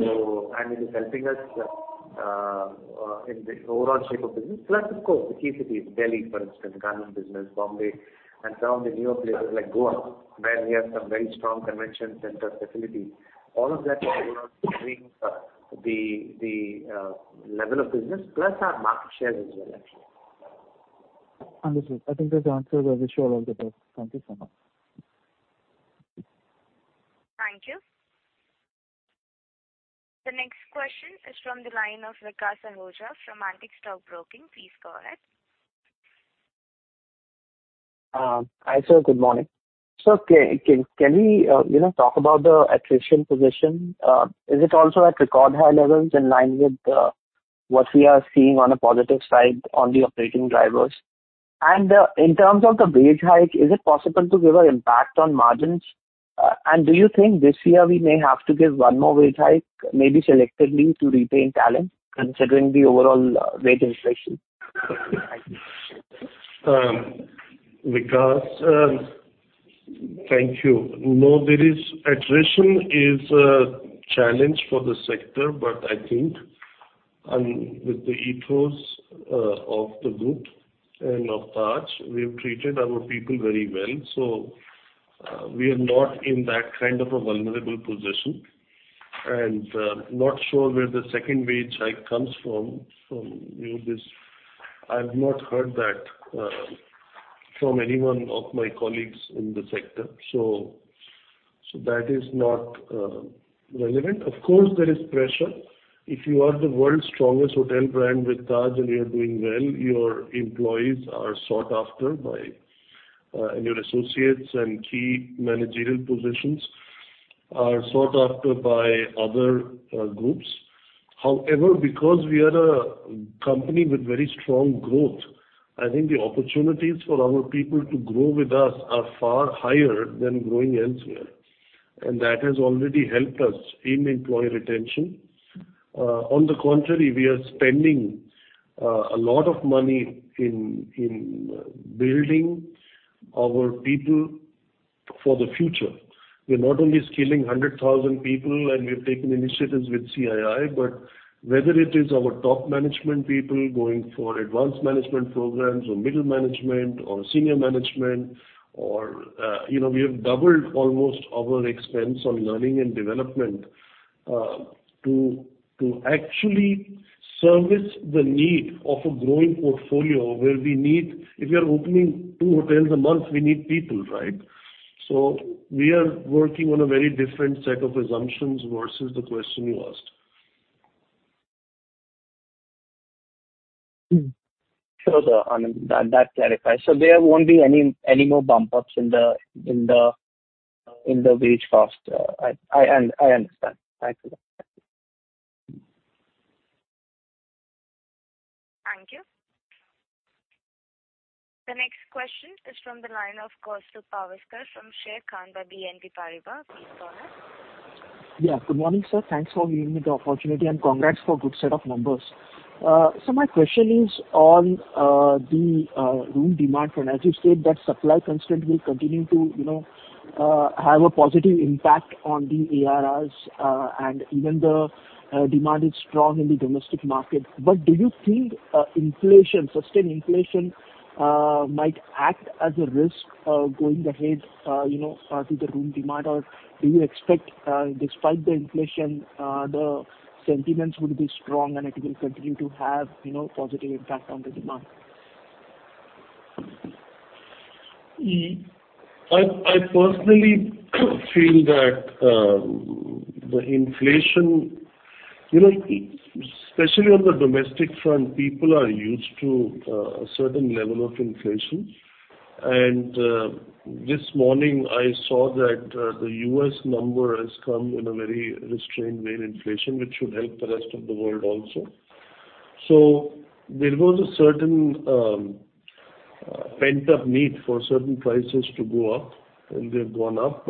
It is helping us in the overall shape of business, plus of course the key cities, Delhi, for instance, government business, Bombay, and some of the newer places like Goa, where we have some very strong convention center facilities. All of that the level of business, plus our market share as well actually. Understood. I think those answers are visual as well. Thank you so much. Thank you. The next question is from the line of Vikas Ahuja from Antique Stock Broking. Please go ahead. Hi, sir. Good morning. Sir, can we, you know, talk about the attrition position? Is it also at record high levels in line with what we are seeing on a positive side on the operating drivers? In terms of the wage hike, is it possible to give an impact on margins? Do you think this year we may have to give one more wage hike, maybe selectively to retain talent considering the overall wage inflation? Thank you. No, Attrition is a challenge for the sector, but I think, with the ethos of the group and of Taj, we have treated our people very well, so we are not in that kind of a vulnerable position. Not sure where the second wage hike comes from, you know, this. I've not heard that from any one of my colleagues in the sector, so that is not relevant. Of course, there is pressure. If you are the world's strongest hotel brand with Taj and you are doing well, your employees are sought after by, and your associates and key managerial positions are sought after by other groups. However, because we are a company with very strong growth, I think the opportunities for our people to grow with us are far higher than growing elsewhere, and that has already helped us in employee retention. On the contrary, we are spending a lot of money in building our people for the future. We're not only skilling 100,000 people and we've taken initiatives with CII, but whether it is our top management people going for advanced management programs or middle management or senior management or, you know, we have doubled almost our expense on learning and development, to actually service the need of a growing portfolio where we need people. If we are opening two hotels a month, we need people, right? We are working on a very different set of assumptions versus the question you asked. Sure, sir. That clarifies. There won't be any more bump ups in the wage faster. I understand. Thank you. Thank you. The next question is from the line of Kaustubh Pawaskar from Sharekhan by BNP Paribas. Please go ahead. Yeah. Good morning, sir. Thanks for giving me the opportunity and congrats for good set of numbers. So my question is on the room demand. As you said, that supply constraint will continue to, you know, have a positive impact on the ARR, and even the demand is strong in the domestic market. Do you think inflation, sustained inflation, might act as a risk going ahead, you know, to the room demand? Or do you expect, despite the inflation, the sentiments would be strong and it will continue to have, you know, positive impact on the demand? I personally feel that the inflation, you know, especially on the domestic front, people are used to a certain level of inflation. This morning I saw that the U.S. number has come in a very restrained way in inflation, which should help the rest of the world also. There was a certain pent-up need for certain prices to go up, and they've gone up.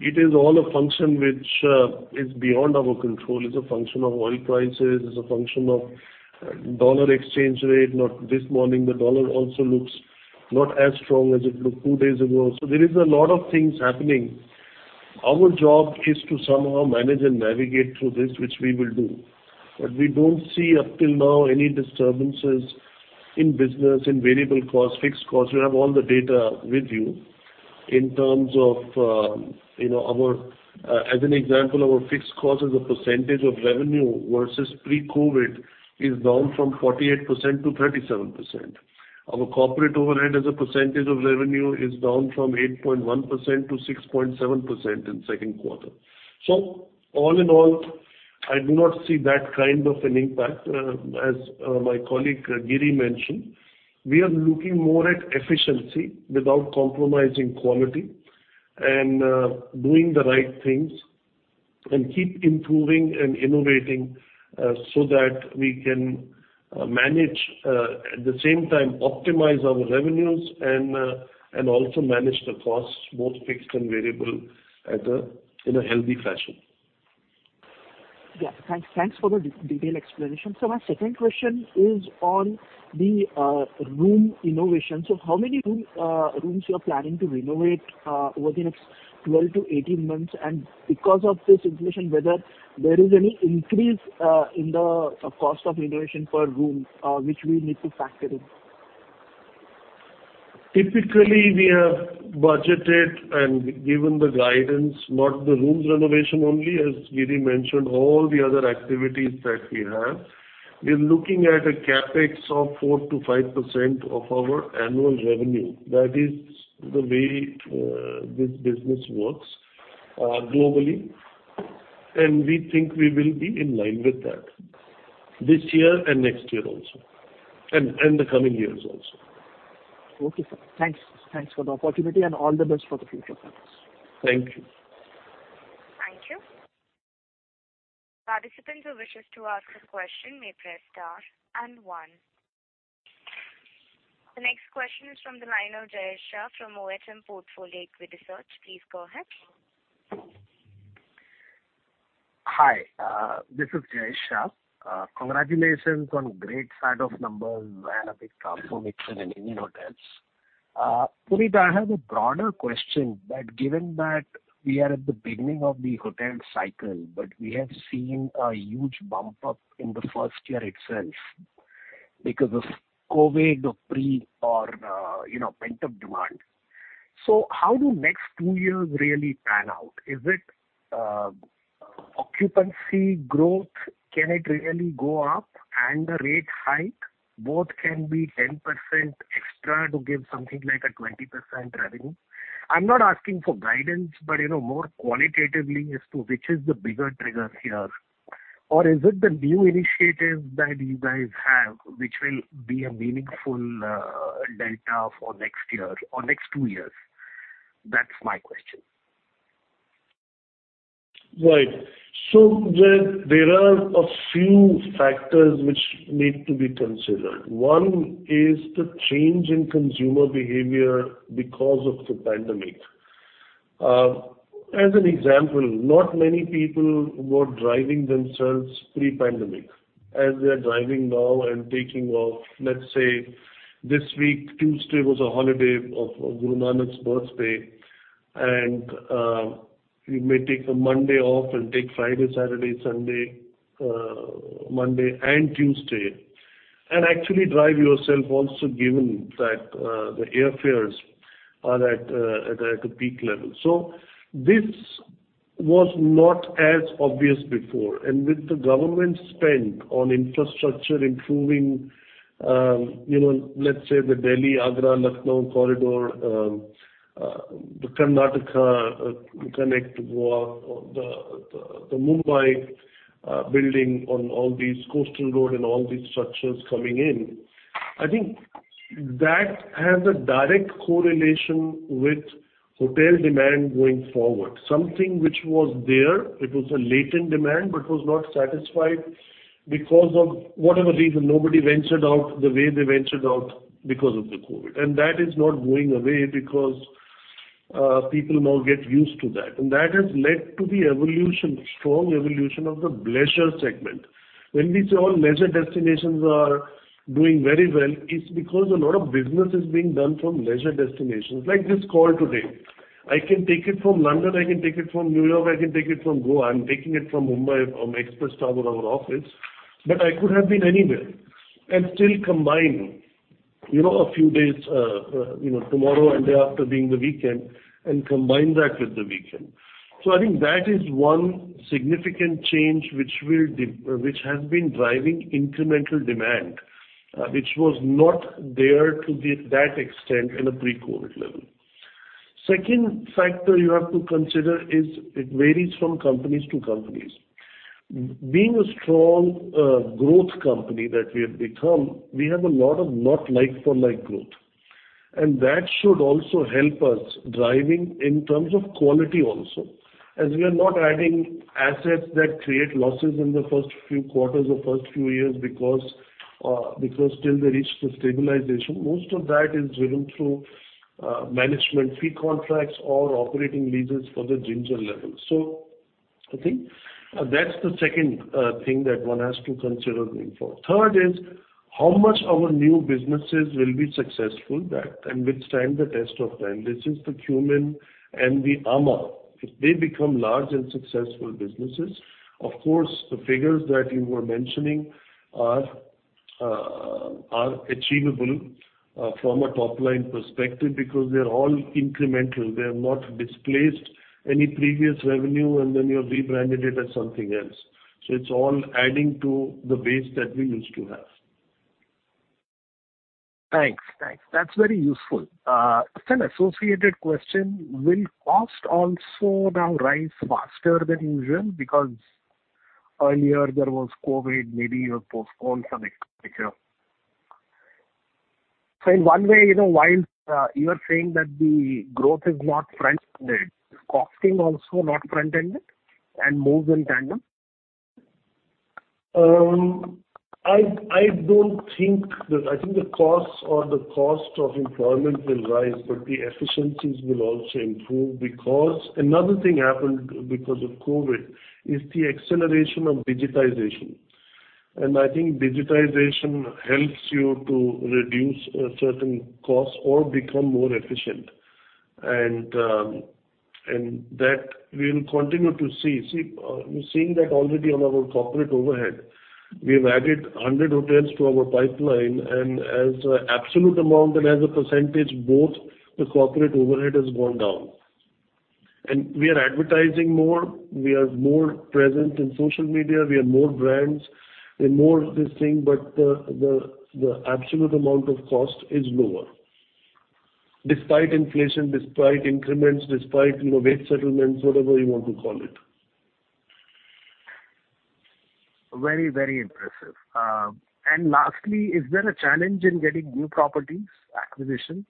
It is all a function which is beyond our control. It's a function of oil prices. It's a function of dollar exchange rate. Now this morning the dollar also looks not as strong as it looked two days ago. There is a lot of things happening. Our job is to somehow manage and navigate through this, which we will do. We don't see up till now any disturbances in business, in variable costs, fixed costs. You have all the data with you in terms of, you know, our, as an example, our fixed cost as a percentage of revenue versus pre-COVID is down from 48%-37%. Our corporate overhead as a percentage of revenue is down from 8.1%-6.7% in 2nd quarter. All in all, I do not see that kind of an impact. As my colleague, Giri, mentioned, we are looking more at efficiency without compromising quality and doing the right things and keep improving and innovating so that we can manage at the same time optimize our revenues and also manage the costs, both fixed and variable in a healthy fashion. Yeah. Thanks. Thanks for the detailed explanation. My second question is on the room renovation. How many rooms are you planning to renovate over the next 12 to 18 months? Because of this inflation, whether there is any increase in the cost of renovation per room, which we need to factor in? Typically, we have budgeted and given the guidance, not the rooms renovation only, as Giri mentioned, all the other activities that we have. We are looking at a CapEx of 4%-5% of our annual revenue. That is the way this business works globally. We think we will be in line with that this year and next year also, and the coming years also. Okay, sir. Thanks. Thanks for the opportunity and all the best for the future plans. Thank you. Thank you. Participants who wishes to ask a question may press star and one. The next question is from the line of Jayesh Shah from OHM Portfolio Equity Research. Please go ahead. Hi, this is Jayesh Shah. Congratulations on great set of numbers and a big compliment to Indian Hotels. Puneet, I have a broader question that given that we are at the beginning of the hotel cycle, but we have seen a huge bump up in the first year itself because of COVID, you know, pent-up demand. How do next two years really pan out? Is it occupancy growth? Can it really go up and the rate hike both can be 10% extra to give something like a 20% revenue? I'm not asking for guidance, but you know more qualitatively as to which is the bigger trigger here. Or is it the new initiative that you guys have which will be a meaningful delta for next year or next two years? That's my question. Right. Jayesh, there are a few factors which need to be considered. One is the change in consumer behavior because of the pandemic. As an example, not many people were driving themselves pre-pandemic as they are driving now and taking off. Let's say, this week, Tuesday was a holiday of Guru Nanak's birthday. You may take a Monday off and take Friday, Saturday, Sunday, Monday and Tuesday, and actually drive yourself also given that the airfares are at a peak level. This was not as obvious before. With the government spend on infrastructure improving, you know, let's say the Delhi-Agra-Lucknow corridor, the Karnataka connect Goa or the Mumbai building on all these coastal road and all these structures coming in. I think that has a direct correlation with hotel demand going forward. Something which was there, it was a latent demand but was not satisfied because of whatever reason nobody ventured out the way they ventured out because of the COVID. That is not going away because people now get used to that. That has led to the evolution, strong evolution of the leisure segment. When we say all leisure destinations are doing very well, it's because a lot of business is being done from leisure destinations. Like this call today, I can take it from London, I can take it from New York, I can take it from Goa. I'm taking it from Mumbai from Express Tower, our office. I could have been anywhere and still combine, you know, a few days, you know, tomorrow and day after being the weekend, and combine that with the weekend. I think that is one significant change which has been driving incremental demand, which was not there to that extent in a pre-COVID level. Second factor you have to consider is it varies from companies to companies. Being a strong, growth company that we have become, we have a lot of not like for like growth. That should also help us driving in terms of quality also, as we are not adding assets that create losses in the first few quarters or first few years because till they reach to stabilization. Most of that is driven through, management fee contracts or operating leases for the Ginger level. I think, that's the second, thing that one has to consider going forward. Third is how much our new businesses will be successful and which stand the test of time. This is the Qmin and the amã. If they become large and successful businesses, of course, the figures that you were mentioning are achievable, from a top-line perspective because they're all incremental. They have not displaced any previous revenue, and then you have rebranded it as something else. It's all adding to the base that we used to have. Thanks. That's very useful. As an associated question, will cost also now rise faster than usual? Because earlier there was COVID, maybe you have postponed some expenditure. In one way, you know, while you are saying that the growth is not front-ended, is costing also not front-ended and moves in tandem? I think the costs or the cost of employment will rise, but the efficiencies will also improve because another thing happened because of COVID is the acceleration of digitization. I think digitization helps you to reduce certain costs or become more efficient. That we'll continue to see. We're seeing that already on our corporate overhead. We have added 100 hotels to our pipeline, and as an absolute amount and as a percentage both, the corporate overhead has gone down. We are advertising more. We are more present in social media. We have more brands and more this thing. The absolute amount of cost is lower despite inflation, despite increments, despite you know, wage settlements, whatever you want to call it. Very, very impressive. Lastly, is there a challenge in getting new properties acquisition?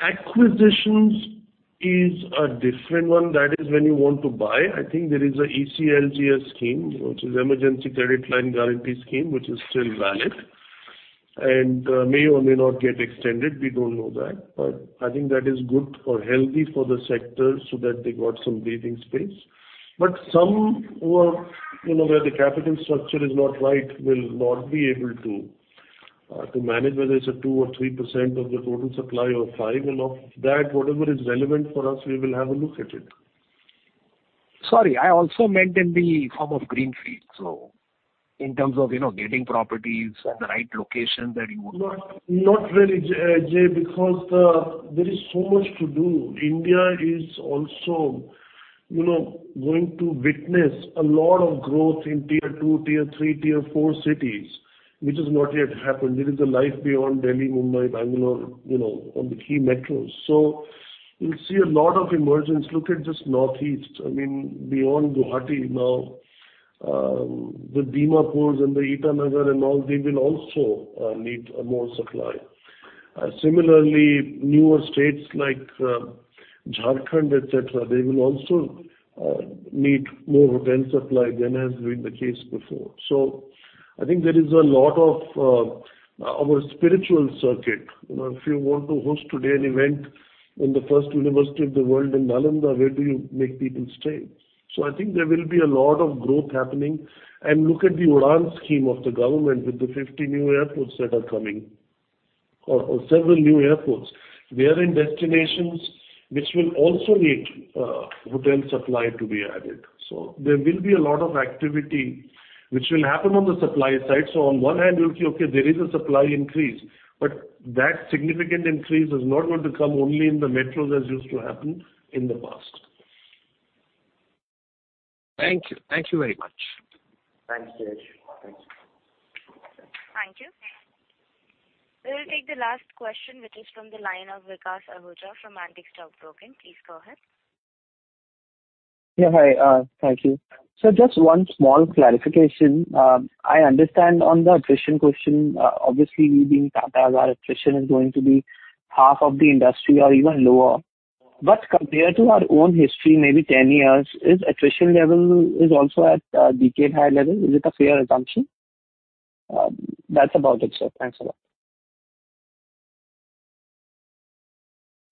Acquisitions is a different one. That is when you want to buy. I think there is an ECLGS scheme, which is Emergency Credit Line Guarantee Scheme, which is still valid and may or may not get extended. We don't know that, but I think that is good or healthy for the sector so that they got some breathing space. Some who are, you know, where the capital structure is not right, will not be able to manage whether it's 2% or 3% of the total supply or 5%. Of that, whatever is relevant for us, we will have a look at it. Sorry. I also meant in the form of greenfield. In terms of, you know, getting properties in the right location that you would want. Not really, Jayesh, because there is so much to do. India is also, you know, going to witness a lot of growth in tier two, tier three, tier four cities, which has not yet happened. There is a life beyond Delhi, Mumbai, Bangalore, you know, on the key metros. You'll see a lot of emergence. Look at just Northeast, I mean, beyond Guwahati now, the Dimapur and the Itanagar and all, they will also need more supply. Similarly, newer states like Jharkhand, et cetera, they will also need more hotel supply than has been the case before. I think there is a lot of our spiritual circuit. You know, if you want to host today an event in the first university of the world in Nalanda, where do you make people stay? I think there will be a lot of growth happening. Look at the UDAN scheme of the government with the 50 new airports that are coming or several new airports. We are in destinations which will also need hotel supply to be added. There will be a lot of activity which will happen on the supply side. On one hand, you'll see, okay, there is a supply increase, but that significant increase is not going to come only in the metros as used to happen in the past. Thank you. Thank you very much. Thanks, Jayesh. Thanks. Thank you. We will take the last question, which is from the line of Vikas Ahuja from Antique Stock Broking. Please go ahead. Yeah. Hi, thank you. Just one small clarification. I understand on the attrition question, obviously we being Tata, our attrition is going to be half of the industry or even lower. But compared to our own history, maybe 10 years, is attrition level also at a decade high level? Is it a fair assumption? That's about it, sir. Thanks a lot.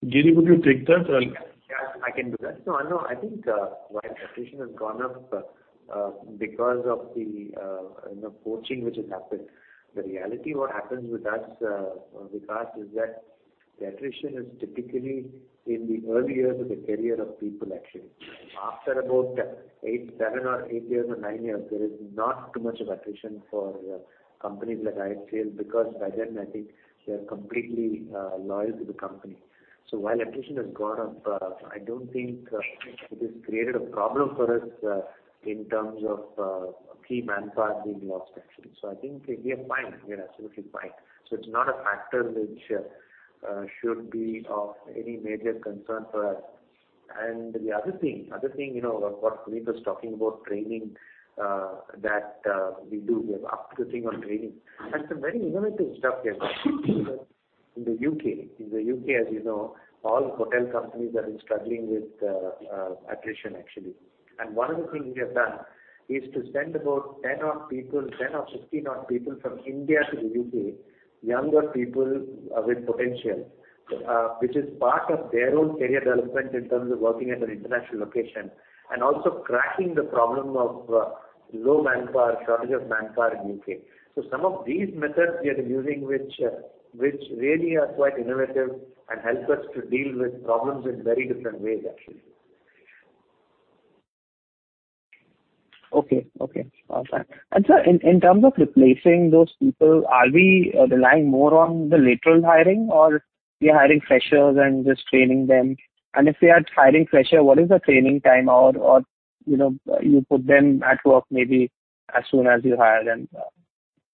Giri, would you take that? Yes, I can do that. No, no, I think while attrition has gone up because of the, you know, poaching which has happened, the reality what happens with us, Vikas, is that the attrition is typically in the early years of the career of people actually. After about seven or eight years or nine years, there is not too much of attrition for companies like IHCL, because by then I think they are completely loyal to the company. While attrition has gone up, I don't think it has created a problem for us in terms of key manpower being lost actually. I think we are fine. We are absolutely fine. It's not a factor which should be of any major concern for us. The other thing, you know, what Puneet was talking about training, that we do. We have upskilling on training. Some very innovative stuff we have done in the U.K. In the U.K., as you know, all hotel companies are struggling with attrition actually. One of the things we have done is to send about 10 odd people, 10 or 15 odd people from India to the U.K., younger people with potential, which is part of their own career development in terms of working at an international location and also cracking the problem of low manpower, shortage of manpower in U.K. Some of these methods we are using, which really are quite innovative and help us to deal with problems in very different ways actually. Okay. All right. Sir, in terms of replacing those people, are we relying more on the lateral hiring or we are hiring freshers and just training them? If we are hiring fresher, what is the training time or, you know, you put them at work maybe as soon as you hire them?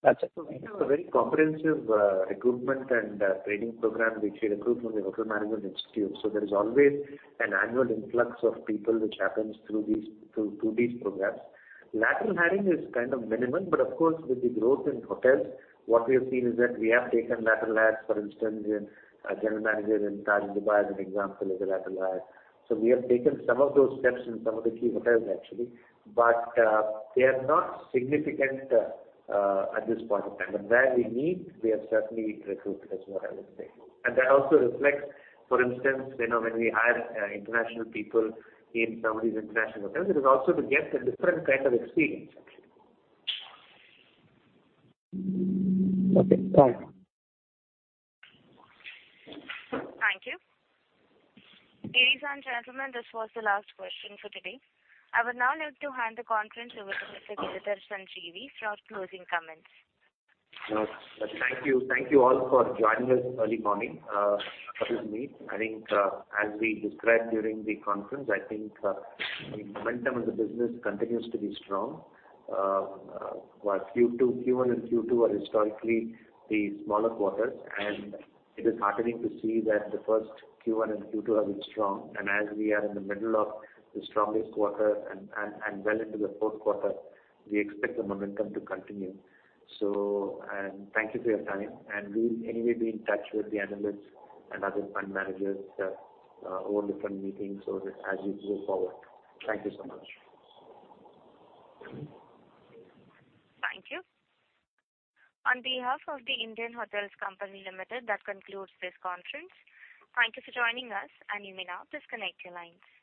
That's it. We have a very comprehensive recruitment and training program which we recruit from the hotel management institute. There is always an annual influx of people which happens through these programs. Lateral hiring is kind of minimum, but of course, with the growth in hotels, what we have seen is that we have taken lateral hires, for instance, a general manager in Taj Dubai is an example is a lateral hire. We have taken some of those steps in some of the key hotels actually, but they are not significant at this point of time. Where we need, we have certainly recruited is what I would say. That also reflects, for instance, you know, when we hire international people in some of these international hotels, it is also to get a different kind of experience actually. Okay, thanks. Thank you. Ladies and gentlemen, this was the last question for today. I would now like to hand the conference over to Mr. Giridhar Sanjeevi for closing comments. Thank you. Thank you all for joining us early morning. Excuse me. I think, as we described during the conference, I think, the momentum of the business continues to be strong. While Q1 and Q2 are historically the smaller quarters, and it is heartening to see that the first Q1 and Q2 have been strong. As we are in the middle of the strongest quarter and well into the 4th quarter, we expect the momentum to continue. Thank you for your time, and we will anyway be in touch with the analysts and other fund managers, over different meetings as we go forward. Thank you so much. Thank you. On behalf of The Indian Hotels Company Limited, that concludes this conference. Thank you for joining us, and you may now disconnect your lines.